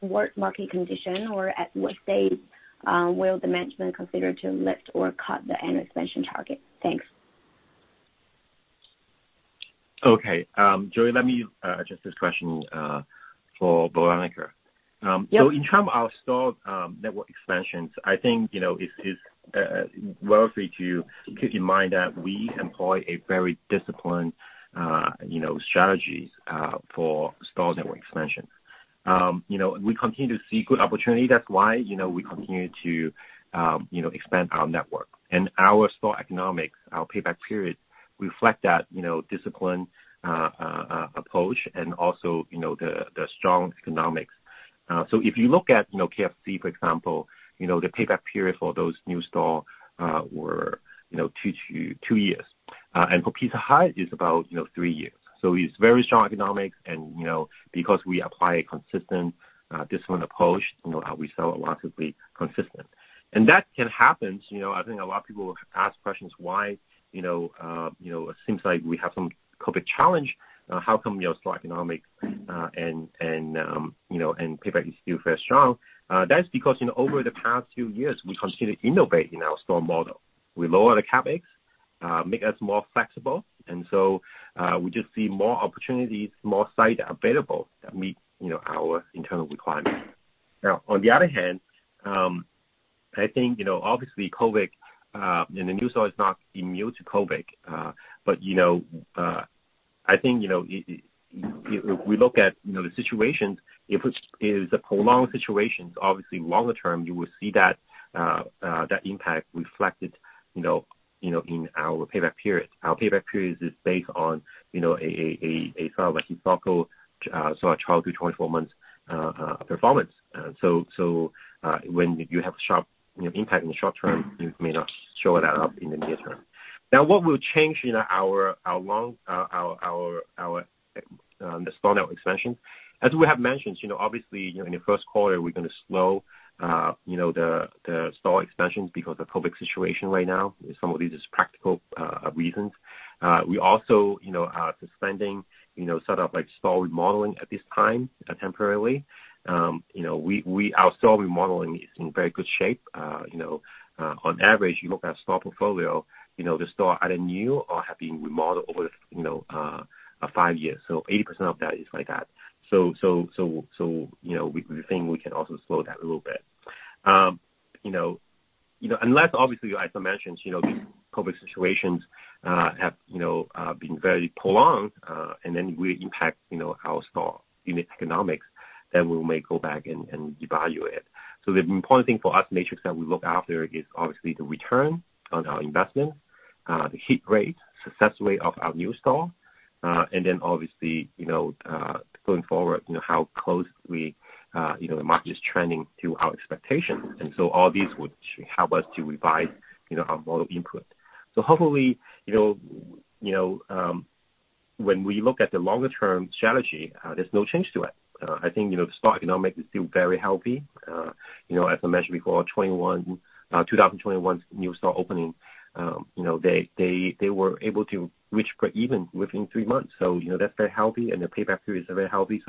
what market condition or at what stage will the management consider to lift or cut the annual expansion target? Thanks. Okay. Joy, let me address this question for Veronica. Yep. In terms of our store network expansions, I think, you know, it is worthy to keep in mind that we employ a very disciplined, you know, strategy for store network expansion. You know, we continue to see good opportunity, that's why, you know, we continue to, you know, expand our network. Our store economics, our payback period reflect that, you know, disciplined approach and also, you know, the strong economics. If you look at, you know, KFC, for example, you know, the payback period for those new stores were, you know, two years. For Pizza Hut is about, you know, three years. It's very strong economics and, you know, because we apply a consistent, disciplined approach, you know, we saw relatively consistent. That can happen. You know, I think a lot of people ask questions why, you know, it seems like we have some COVID challenge, how come your store economics and payback is still very strong? That's because, you know, over the past few years, we continue innovating our store model. We lower the CapEx, make us more flexible. We just see more opportunities, more site available that meet, you know, our internal requirements. Now, on the other hand, I think, you know, obviously COVID and the new store is not immune to COVID. But you know, I think, you know, if we look at, you know, the situations, if it is a prolonged situations, obviously longer term, you will see that that impact reflected, you know, in our payback period. Our payback period is based on, you know, sort of like a cycle, so a 12-24 months performance. When you have sharp, you know, impact in the short term, it may not show up in the near term. Now, what will change in our long-term store network expansion? As we have mentioned, you know, obviously, you know, in the first quarter, we're gonna slow the store expansions because the COVID situation right now. Some of these is practical reasons. We also, you know, are suspending, you know, sort of like store remodeling at this time, temporarily. Our store remodeling is in very good shape. You know, on average, you know, the store portfolio, you know, the store either new or have been remodeled over, you know, a five years. So 80% of that is like that. So, you know, we think we can also slow that a little bit. You know, unless obviously, as I mentioned, you know, these COVID situations have, you know, been very prolonged, and then will impact, you know, our store unit economics, then we may go back and evaluate. So the important thing for us metrics that we look after is obviously the return on our investment, the hit rate, success rate of our new store, and then obviously, you know, going forward, you know, how close we, you know, the market is trending to our expectation. All these would help us to revise, you know, our model input. Hopefully, you know, when we look at the longer term strategy, there's no change to it. I think, you know, the store economics is still very healthy. As I mentioned before, 2021 new store opening, they were able to reach breakeven within three months. That's very healthy, and the payback period is very healthy.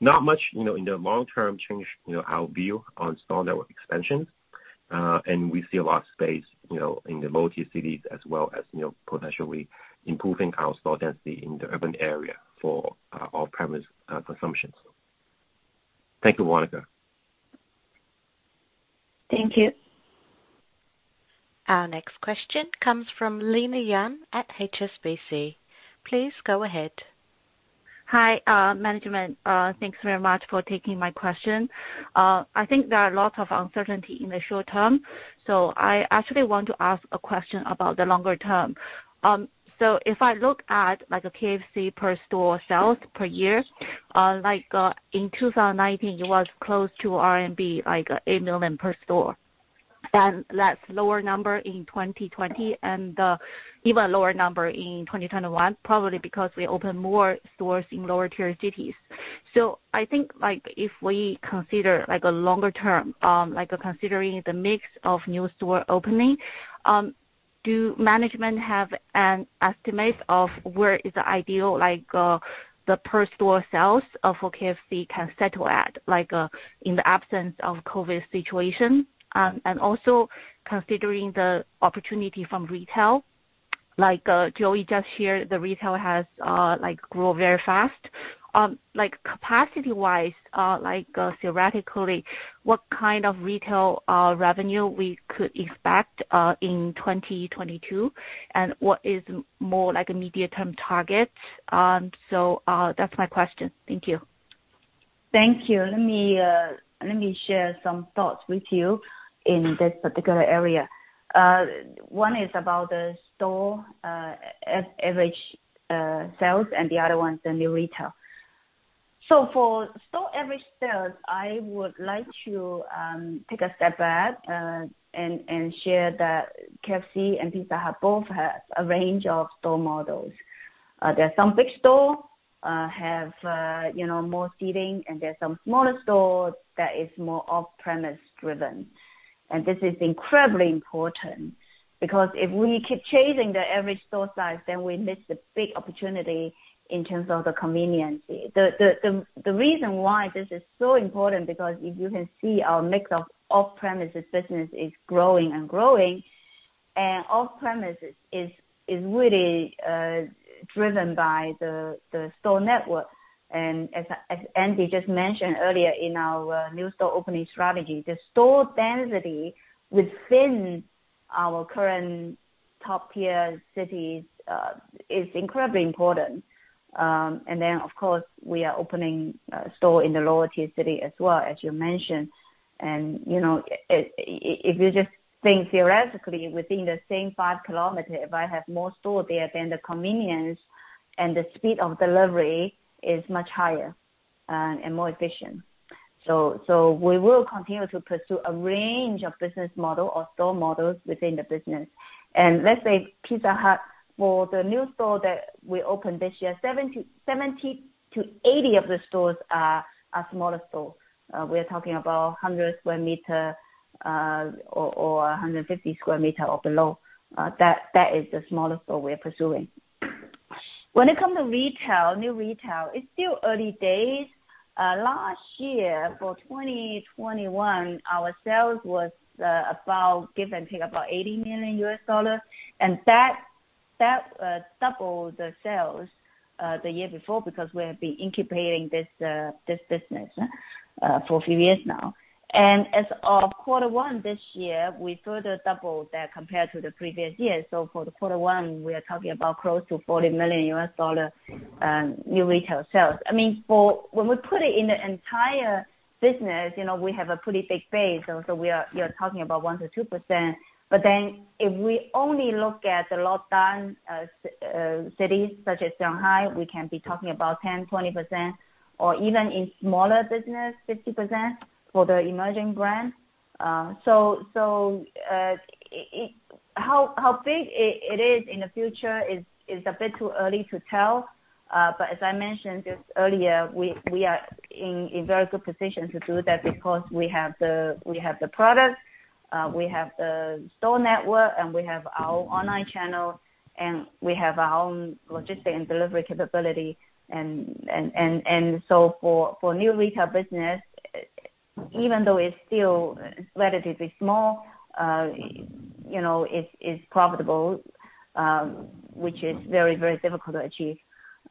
Not much in the long term change our view on store network expansion. We see a lot of space, you know, in the low tier cities as well as, you know, potentially improving our store density in the urban area for off-premise consumption. Thank you, Veronica. Thank you. Our next question comes from Lina Yan at HSBC. Please go ahead. Hi, management. Thanks very much for taking my question. I think there are a lot of uncertainty in the short term, so I actually want to ask a question about the longer term. If I look at like a KFC per store sales per year, like, in 2019, it was close to 8 million RMB per store. That's lower number in 2020, and even lower number in 2021, probably because we opened more stores in lower tier cities. I think, like if we consider like a longer term, like considering the mix of new store opening, do management have an estimate of where is the ideal, like, the per store sales for KFC can settle at, like, in the absence of COVID situation? Also considering the opportunity from retail, like, Joey just shared, the retail has, like grown very fast. Capacity-wise, theoretically, what kind of retail revenue we could expect in 2022? What is more like a medium-term target? That's my question. Thank you. Thank you. Let me share some thoughts with you in this particular area. One is about the store average sales, and the other one is the new retail. For store average sales, I would like to take a step back and share that KFC and Pizza Hut both have a range of store models. There are some big stores that have you know more seating, and there are some smaller stores that is more off-premise driven. This is incredibly important, because if we keep changing the average store size, then we miss the big opportunity in terms of the convenience. The reason why this is so important because if you can see our mix of off-premises business is growing and growing, and off-premises is really driven by the store network. As Andy just mentioned earlier in our new store opening strategy, the store density within our current top-tier cities is incredibly important. Of course, we are opening stores in the lower-tier cities as well, as you mentioned. You know, if you just think theoretically, within the same five-kilometer, if I have more stores there, then the convenience and the speed of delivery is much higher and more efficient. We will continue to pursue a range of business model or store models within the business. Let's say Pizza Hut, for the new stores that we opened this year, 70-80 of the stores are smaller stores. We're talking about 100 sq m or 150 sq m or below. That is the smallest store we're pursuing. When it comes to retail, new retail, it's still early days. Last year, for 2021, our sales was about give or take about $80 million. That doubled the sales the year before, because we have been incubating this business for a few years now. As of quarter one this year, we further doubled that compared to the previous year. For the quarter one, we are talking about close to $40 million new retail sales. I mean, when we put it in the entire business, you know, we have a pretty big base, and you're talking about 1%-2%. If we only look at the lockdown cities such as Shanghai, we can be talking about 10%, 20% or even in smaller business, 50% for the emerging brands. It is a bit too early to tell how big it is in the future. As I mentioned just earlier, we are in very good position to do that because we have the products, we have the store network, and we have our online channel, and we have our own logistics and delivery capability and so for new retail business, even though it's still relatively small, you know, it's profitable, which is very difficult to achieve.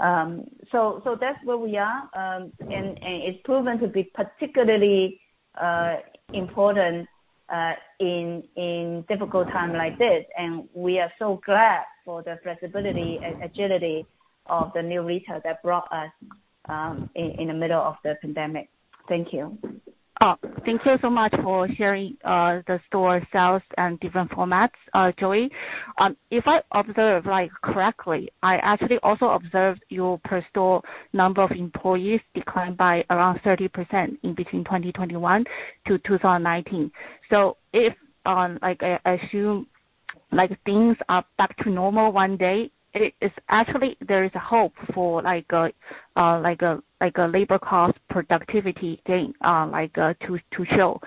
So that's where we are. It's proven to be particularly important in difficult time like this. We are so glad for the flexibility and agility of the new retail that brought us in the middle of the pandemic. Thank you. Oh, thank you so much for sharing the store sales and different formats, Joey. If I observe, like, correctly, I actually also observed your per store number of employees declined by around 30% in between 2021 to 2019. If, like, I assume, like things are back to normal one day, it is actually there is a hope for like a labor cost productivity gain, like, to show,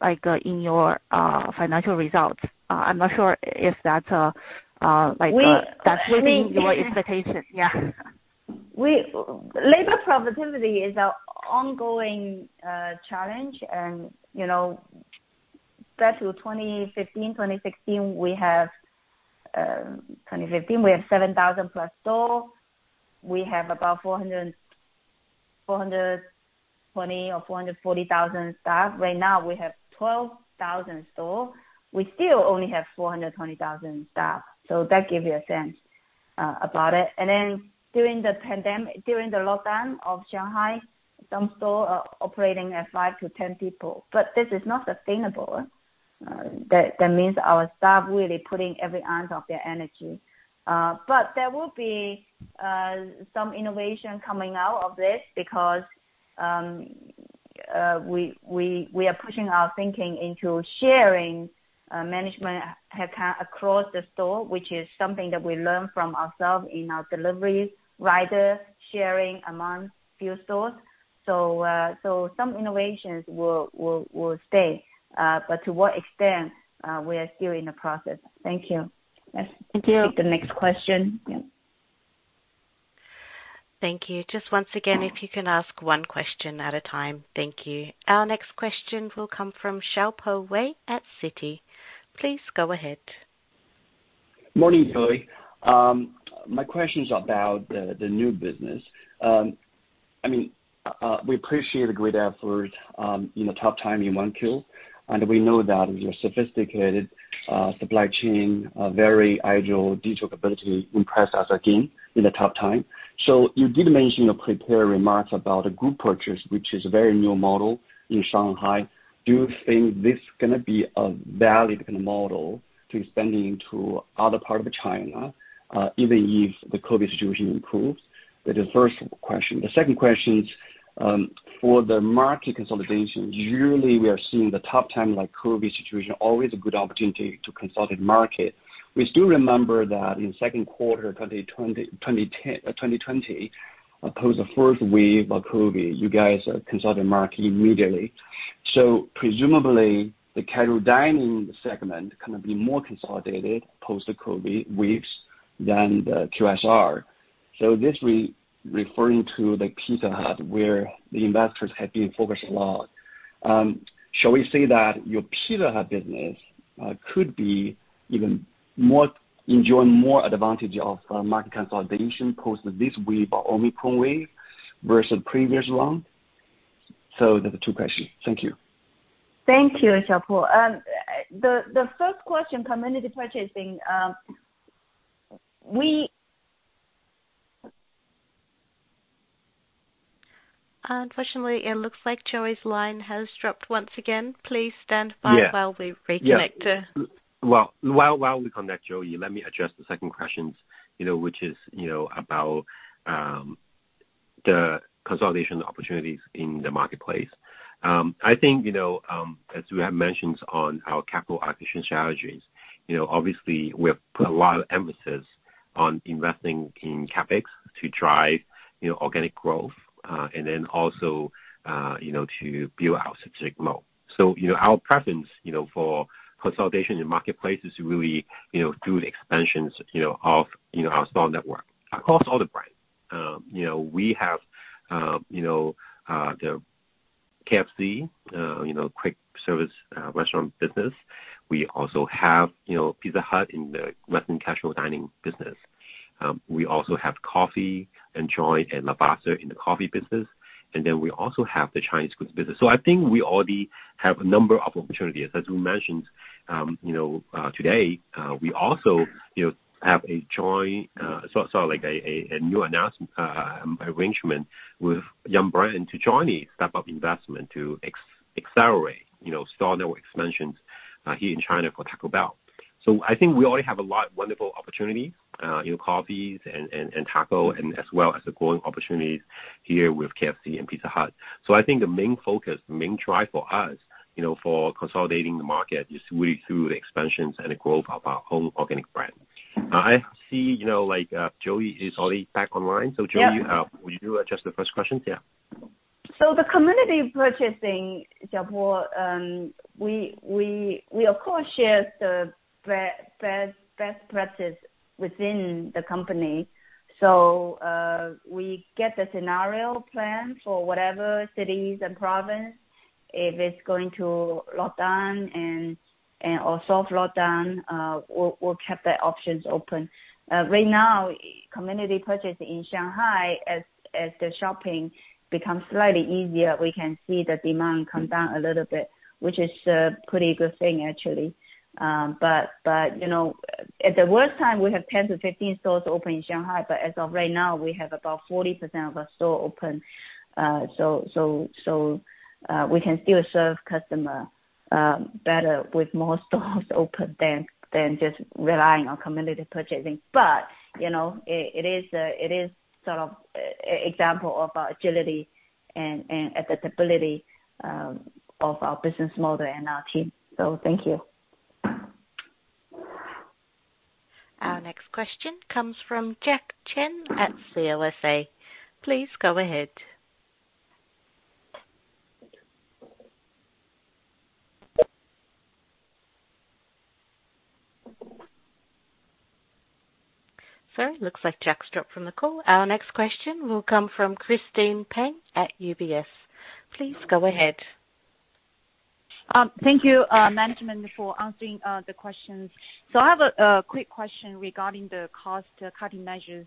like, in your financial results. I'm not sure if that's. We- Like We think. That's within your expectation. Yeah. Labor profitability is an ongoing challenge. Back to 2015, 2016, we have 7,000+ stores. We have about 420 or 440,000 staff. Right now, we have 12,000 stores. We still only have 420,000 staff. That gives you a sense about it. During the lockdown of Shanghai, some stores are operating at 5-10 people, but this is not sustainable. That means our staff really putting every ounce of their energy. There will be some innovation coming out of this because we are pushing our thinking into sharing management across the stores, which is something that we learn from ourselves in our deliveries, rider sharing among few stores. Some innovations will stay. To what extent, we are still in the process. Thank you. Thank you. Take the next question. Yeah. Thank you. Just once again, if you can ask one question at a time. Thank you. Our next question will come from Xiaopo Wei at Citi. Please go ahead. Morning, Joey. My question is about the new business. I mean, we appreciate the great effort in the tough time in Q1, and we know that your sophisticated supply chain very agile digital capability impressed us again in the tough time. You did mention or prepare remarks about a group purchase, which is a very new model in Shanghai. Do you think this is gonna be a valid model to expanding into other part of China even if the COVID situation improves? That is first question. The second question for the market consolidation, usually we are seeing the tough time like COVID situation, always a good opportunity to consolidate market. We still remember that in the second quarter of 2020, post the first wave of COVID, you guys consolidated market immediately. Presumably, the casual dining segment gonna be more consolidated post the COVID waves than the QSR. This referring to the Pizza Hut, where the investors have been focused a lot. Shall we say that your Pizza Hut business could be even more enjoy more advantage of market consolidation post this wave or Omicron wave versus previous one? There are the two questions. Thank you. Thank you, Xiaopo. The first question, community purchasing, we... Unfortunately, it looks like Joey's line has dropped once again. Please stand by. Yeah. While we reconnect her. Yeah. Well, while we connect Joey, let me address the second question, you know, which is, you know, about the consolidation opportunities in the marketplace. I think, you know, as we have mentioned on our capital allocation strategies, you know, obviously we have put a lot of emphasis on investing in CapEx to drive, you know, organic growth, and then also, you know, to build our strategic moat. Our preference, you know, for consolidation in marketplace is really, you know, through the expansions, you know, of our store network across all the brands. You know, we have, you know, the KFC, you know, quick service, restaurant business. We also have, you know, Pizza Hut in the western casual dining business. We also have COFFii & JOY and Lavazza in the coffee business. We also have the Chinese food business. I think we already have a number of opportunities. As we mentioned, you know, today, we also, you know, have a joint, like a new announcement, arrangement with Yum! Brands to join a step-up investment to accelerate, you know, store network expansions here in China for Taco Bell. I think we already have a lot wonderful opportunity in coffees and taco and as well as the growing opportunities here with KFC and Pizza Hut. I think the main focus, the main drive for us, you know, for consolidating the market is really through the expansions and the growth of our homegrown organic brand. I see, you know, like, Joey is already back online. Yeah. Joey, would you address the first question? Yeah. The community purchasing, Xiaopo, we of course share the best practice within the company. We get the scenario plan for whatever cities and province, if it's going to lockdown and or soft lockdown, we'll keep the options open. Right now, community purchase in Shanghai as the shopping becomes slightly easier, we can see the demand come down a little bit, which is a pretty good thing actually. But you know, at the worst time, we have 10-15 stores open in Shanghai, but as of right now, we have about 40% of our store open. We can still serve customer better with more stores open than just relying on community purchasing. You know, it is sort of example of our agility and adaptability of our business model and our team. Thank you. Our next question comes from Jack Chen at CLSA. Please go ahead. Sorry, looks like Jack's dropped from the call. Our next question will come from Christine Peng at UBS. Please go ahead. Thank you, management for answering the questions. I have a quick question regarding the cost-cutting measures.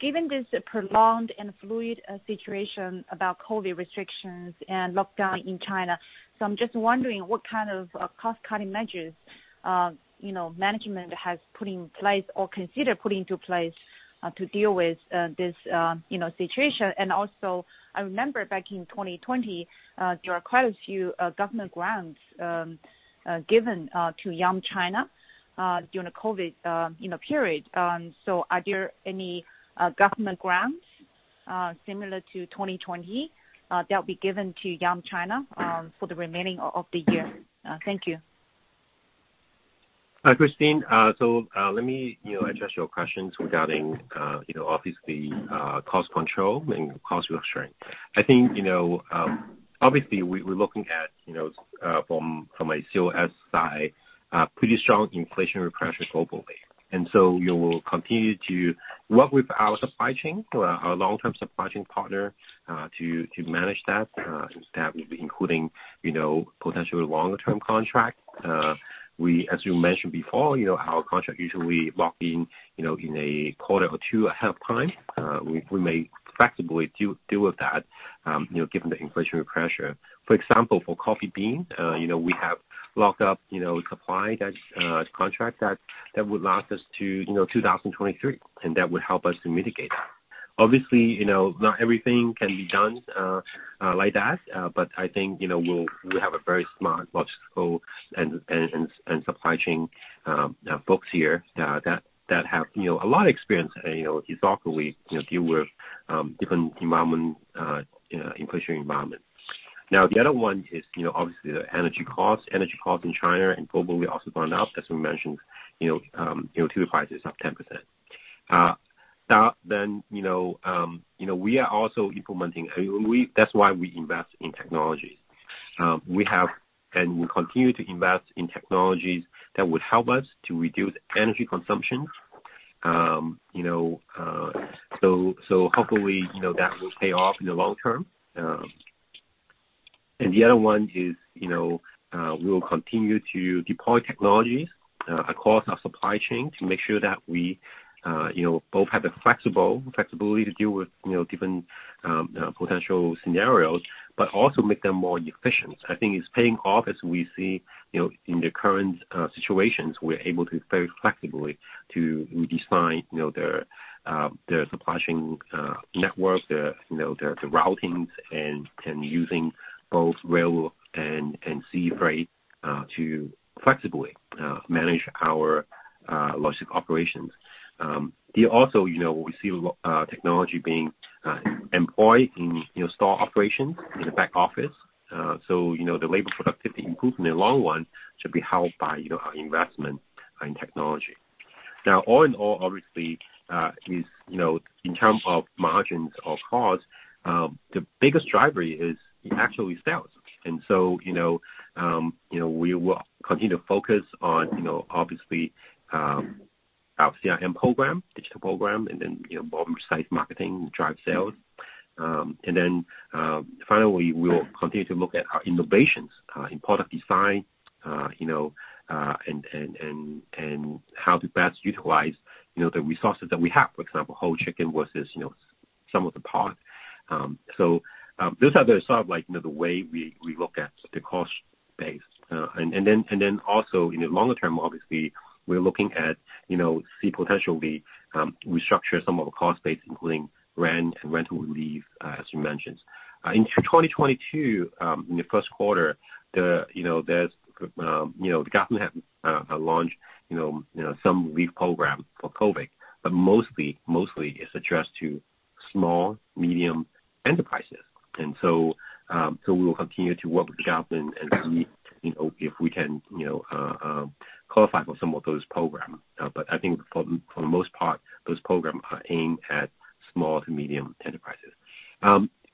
Given this prolonged and fluid situation about COVID restrictions and lockdown in China, I'm just wondering what kind of cost-cutting measures you know, management has put in place or consider putting into place to deal with this you know, situation. Also, I remember back in 2020, there were quite a few government grants given to Yum China during the COVID you know, period. Are there any government grants similar to 2020 that will be given to Yum China for the remaining of the year? Thank you. Christine, let me, you know, address your questions regarding, you know, obviously, cost control and cost restraint. I think, you know, obviously we're looking at, you know, from a COS side, pretty strong inflationary pressure globally. We will continue to work with our supply chain, our long-term supply chain partner, to manage that. That will be including, you know, potentially longer term contract. We, as you mentioned before, you know, our contract usually lock in, you know, in a quarter or two ahead of time. We may proactively deal with that, you know, given the inflationary pressure. For example, for coffee bean, we have locked up supply that contract that would last us to 2023, and that would help us to mitigate that. Obviously, not everything can be done like that. But I think we have a very smart, logical and supply chain folks here that have a lot of experience historically deal with different environment inflationary environment. Now, the other one is obviously the energy costs. Energy costs in China and globally also gone up. As we mentioned, two to five days up 10%. That then we are also implementing. That's why we invest in technology. We have and we continue to invest in technologies that would help us to reduce energy consumption. You know, so hopefully, you know, that will pay off in the long term. The other one is, you know, we will continue to deploy technologies across our supply chain to make sure that we, you know, both have the flexibility to deal with, you know, different potential scenarios, but also make them more efficient. I think it's paying off as we see, you know, in the current situations, we're able to very flexibly to redesign, you know, the supply chain network, the routings and using both rail and sea freight to flexibly manage our logistic operations. We also, you know, we see technology being employed in, you know, store operations in the back office. So, you know, the labor productivity improvement in the long run should be helped by, you know, our investment in technology. Now, all in all, obviously, it is, you know, in terms of margins or costs, the biggest driver is actually sales. We will continue to focus on, you know, obviously, our CRM program, digital program, and then, you know, bottom-up marketing to drive sales. Then, finally, we'll continue to look at our innovations in product design, you know, and how to best utilize, you know, the resources that we have. For example, whole chicken versus, you know, some of the parts. So, those are the sort of like, you know, the way we look at the cost base. And then also in the longer term, obviously we're looking at, you know, see potentially we structure some of the cost base, including rent and rental relief, as you mentioned. In 2022, in the first quarter, you know, there's, you know, the government launched, you know, some relief program for COVID, but mostly it's addressed to small, medium enterprises. We will continue to work with the government and see, you know, if we can, you know, qualify for some of those programs. But I think for the most part, those programs are aimed at small to medium enterprises.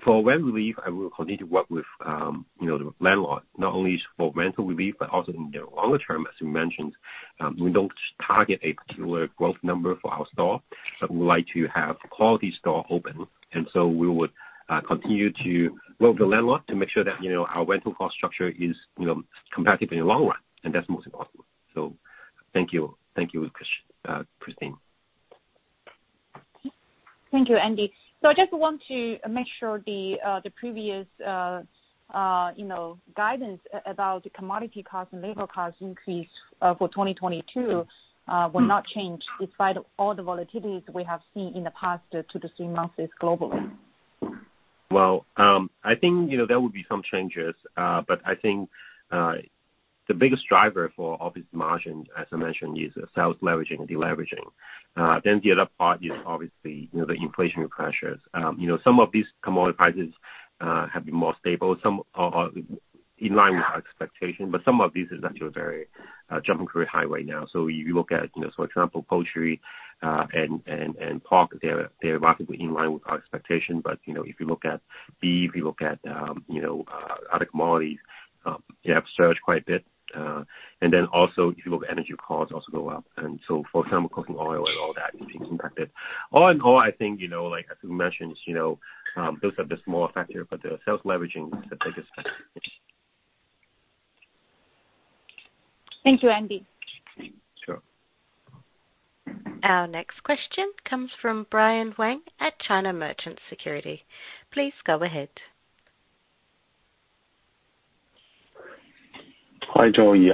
For rent relief, I will continue to work with, you know, the landlord, not only for rental relief but also in the longer term, as you mentioned. We don't target a particular growth number for our store, but we like to have quality store open. We would continue to work with the landlord to make sure that, you know, our rental cost structure is, you know, competitive in the long run, and that's most important. Thank you. Thank you, Christine. Thank you, Andy. I just want to make sure the previous, you know, guidance about the commodity costs and labor costs increase for 2022 will not change despite all the volatilities we have seen in the past two to three months globally. I think, you know, there will be some changes, but I think the biggest driver for operating margin, as I mentioned, is sales leveraging and deleveraging. The other part is obviously, you know, the inflationary pressures. You know, some of these commodity prices have been more stable. Some are in line with our expectation, but some of these is actually very jumping very high right now. If you look at, you know, for example, poultry and pork, they're relatively in line with our expectation. You know, if you look at beef, you look at other commodities, they have surged quite a bit. And then also if you look at energy costs also go up. For example, cooking oil and all that is being impacted. All in all, I think, you know, like as we mentioned, you know, those are the small factor, but the sales leveraging is the biggest factor. Thank you, Andy. Sure. Our next question comes from Bryan Wang at China Merchants Securities. Please go ahead. Hi, Joey.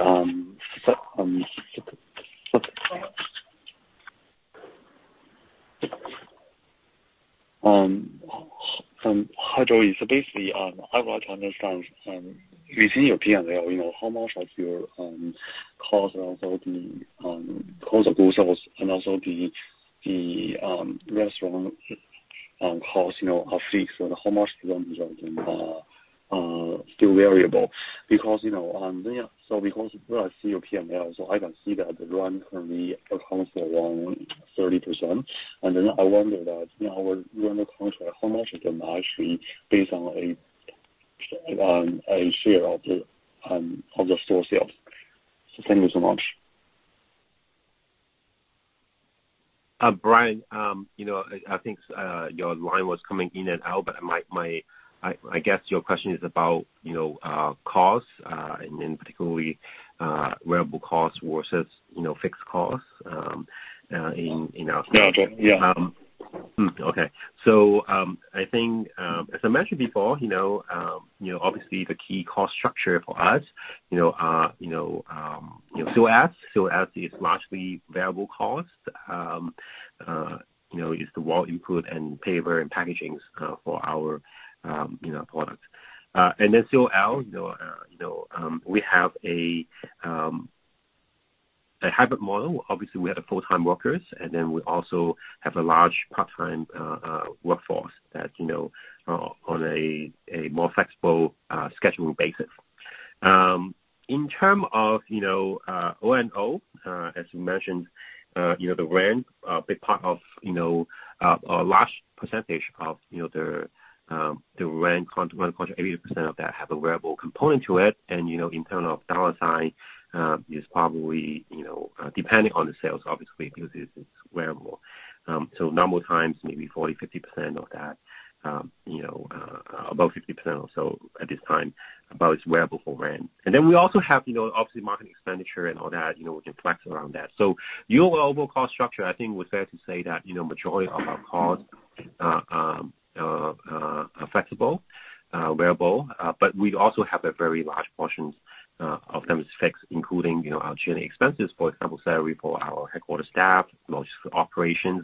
Basically, I want to understand within your P&L, you know, how much of your costs are for the cost of goods sold and also the restaurant costs, you know, are fixed or how much of them are still variable? Because, you know, when I see your P&L, I can see that the rent currently accounts for around 30%. Then I wonder that, you know, rent accounts for how much of the margin based on a share of the store sales. Thank you so much. Brian, you know, I think your line was coming in and out, but I guess your question is about, you know, costs, and in particular, variable costs versus, you know, fixed costs. Yeah. Yeah. I think, as I mentioned before, you know, obviously the key cost structure for us, you know, COS. COS is largely variable costs, you know, is the raw input and paper and packaging for our product. And then COL, you know, we have a hybrid model. Obviously, we have full-time workers, and then we also have a large part-time workforce that, you know, on a more flexible scheduling basis. In terms of, you know, O&O, as you mentioned, you know, the rent, a big part of a large percentage of the current rent control, 80% of that have a variable component to it. You know, in terms of dollars, is probably, you know, depending on the sales, obviously, because it's variable. So number of times maybe 40%-50% of that, you know, about 50% or so at this time, about it's variable for rent. Then we also have, you know, obviously marketing expenditure and all that, you know, we can flex around that. So your overall cost structure, I think it's fair to say that, you know, majority of our costs are flexible, variable. But we also have a very large portions of them is fixed, including, you know, our G&A expenses, for example, salary for our headquarters staff, logistics operations,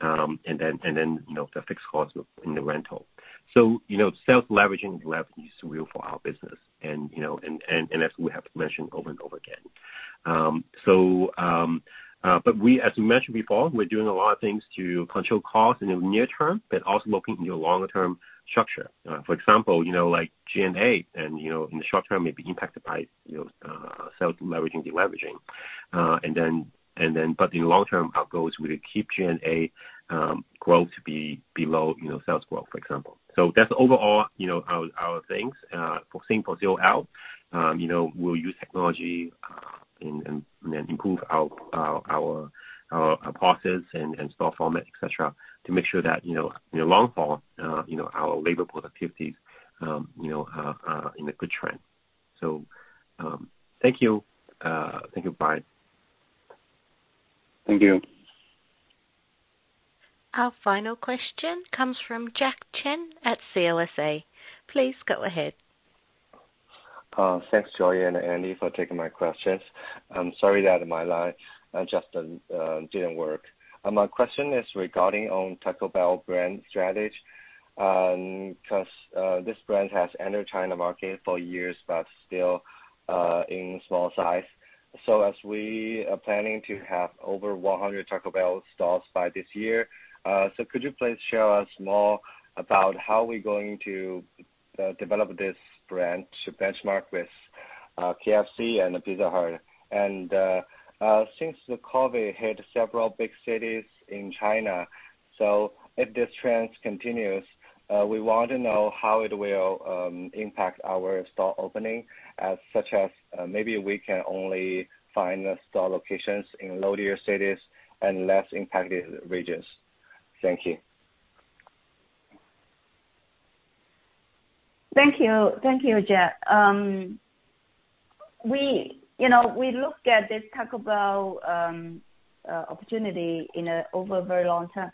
and then, you know, the fixed cost in the rental. You know, sales leveraging is real for our business and, you know, and as we have mentioned over and over again. But we, as we mentioned before, we're doing a lot of things to control costs in the near term, but also looking into a longer term structure. For example, you know, like G&A and, you know, in the short term may be impacted by, you know, sales leveraging, de-leveraging. And then in the long term, our goal is we will keep G&A growth to be below, you know, sales growth, for example. That's overall, you know, our things. Same for COL. You know, we'll use technology, and improve our process and store format, et cetera, to make sure that, you know, in the long haul, you know, our labor productivities, you know, are in a good trend. Thank you. Thank you, Brian. Thank you. Our final question comes from Jack Chen at CLSA. Please go ahead. Thanks, Joey and Andy, for taking my questions. I'm sorry that my line just didn't work. My question is regarding on Taco Bell brand strategy, 'cause this brand has entered China market for years but still in small size. As we are planning to have over 100 Taco Bell stores by this year, could you please share us more about how we're going to develop this brand to benchmark with KFC and Pizza Hut? Since the COVID hit several big cities in China, if this trend continues, we want to know how it will impact our store opening as such as maybe we can only find the store locations in low-tier cities and less impacted regions. Thank you. Thank you. Thank you, Jack. We, you know, we looked at this Taco Bell opportunity in over a very long time.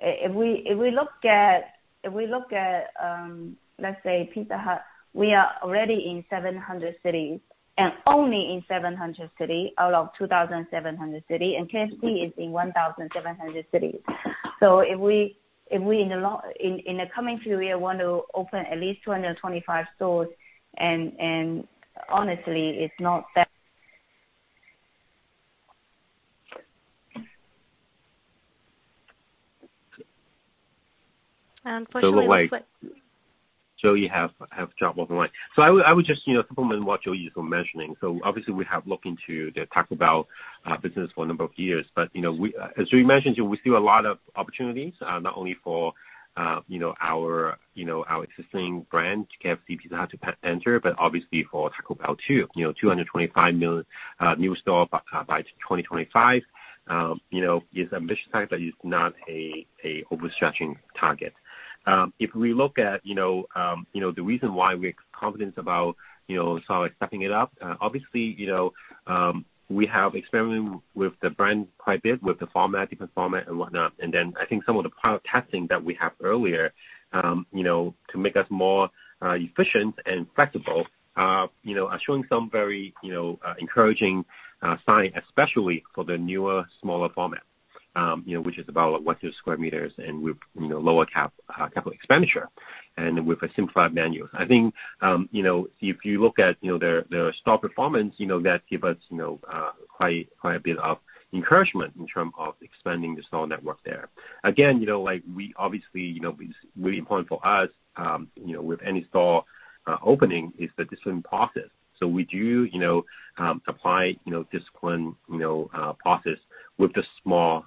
If we look at, let's say Pizza Hut, we are already in 700 cities, and only in 700 cities out of 2,700 cities, and KFC is in 1,700 cities. If we in the coming few years want to open at least 225 stores and honestly it's not that. Unfortunately, we've. Like, Joey has dropped off the line. I would just, you know, supplement what Joey is mentioning. Obviously we have looked into the Taco Bell business for a number of years. As we mentioned, we see a lot of opportunities, not only for our existing brand, KFC, Pizza Hut to penetrate, but obviously for Taco Bell too, you know, 225 million new stores by 2025. You know, it's an ambitious target that is not an overstretching target. If we look at the reason why we're confident about sort of stepping it up, obviously we have experimented with the brand quite a bit, with the format, different format and whatnot. I think some of the pilot testing that we have earlier, you know, to make us more efficient and flexible, you know, are showing some very, you know, encouraging signs, especially for the newer, smaller format, you know, which is about 1-2 square meters and with, you know, lower capital expenditure and with a simplified menu. I think, you know, if you look at, you know, the store performance, you know, that give us, you know, quite a bit of encouragement in terms of expanding the store network there. Again, you know, like, we obviously, you know, it's really important for us, you know, with any store opening is the discipline process. We do apply disciplined process with the small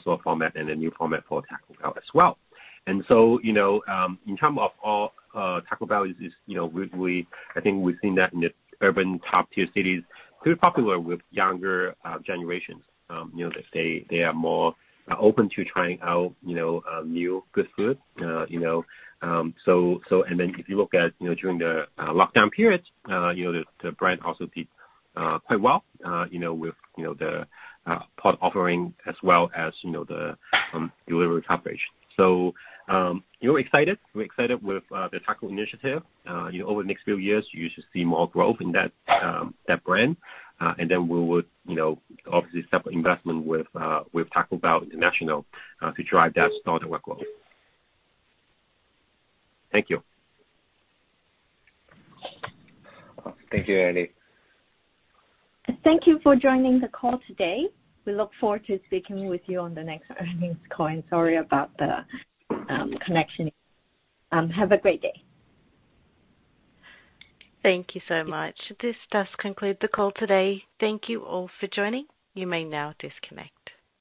store format and a new format for Taco Bell as well. In terms of Taco Bell, I think we've seen that in the urban top-tier cities, pretty popular with younger generations, you know, that they are more open to trying out new good food, you know. If you look at during the lockdown periods, you know, the brand also did quite well, you know, with the product offering as well as the delivery coverage. We're excited with the Taco initiative. You know, over the next few years you should see more growth in that brand. Then we would, you know, obviously step up investment with Taco Bell International to drive that store network growth. Thank you. Thank you, Andy. Thank you for joining the call today. We look forward to speaking with you on the next earnings call. Sorry about the connection. Have a great day. Thank you so much. This does conclude the call today. Thank you all for joining. You may now disconnect.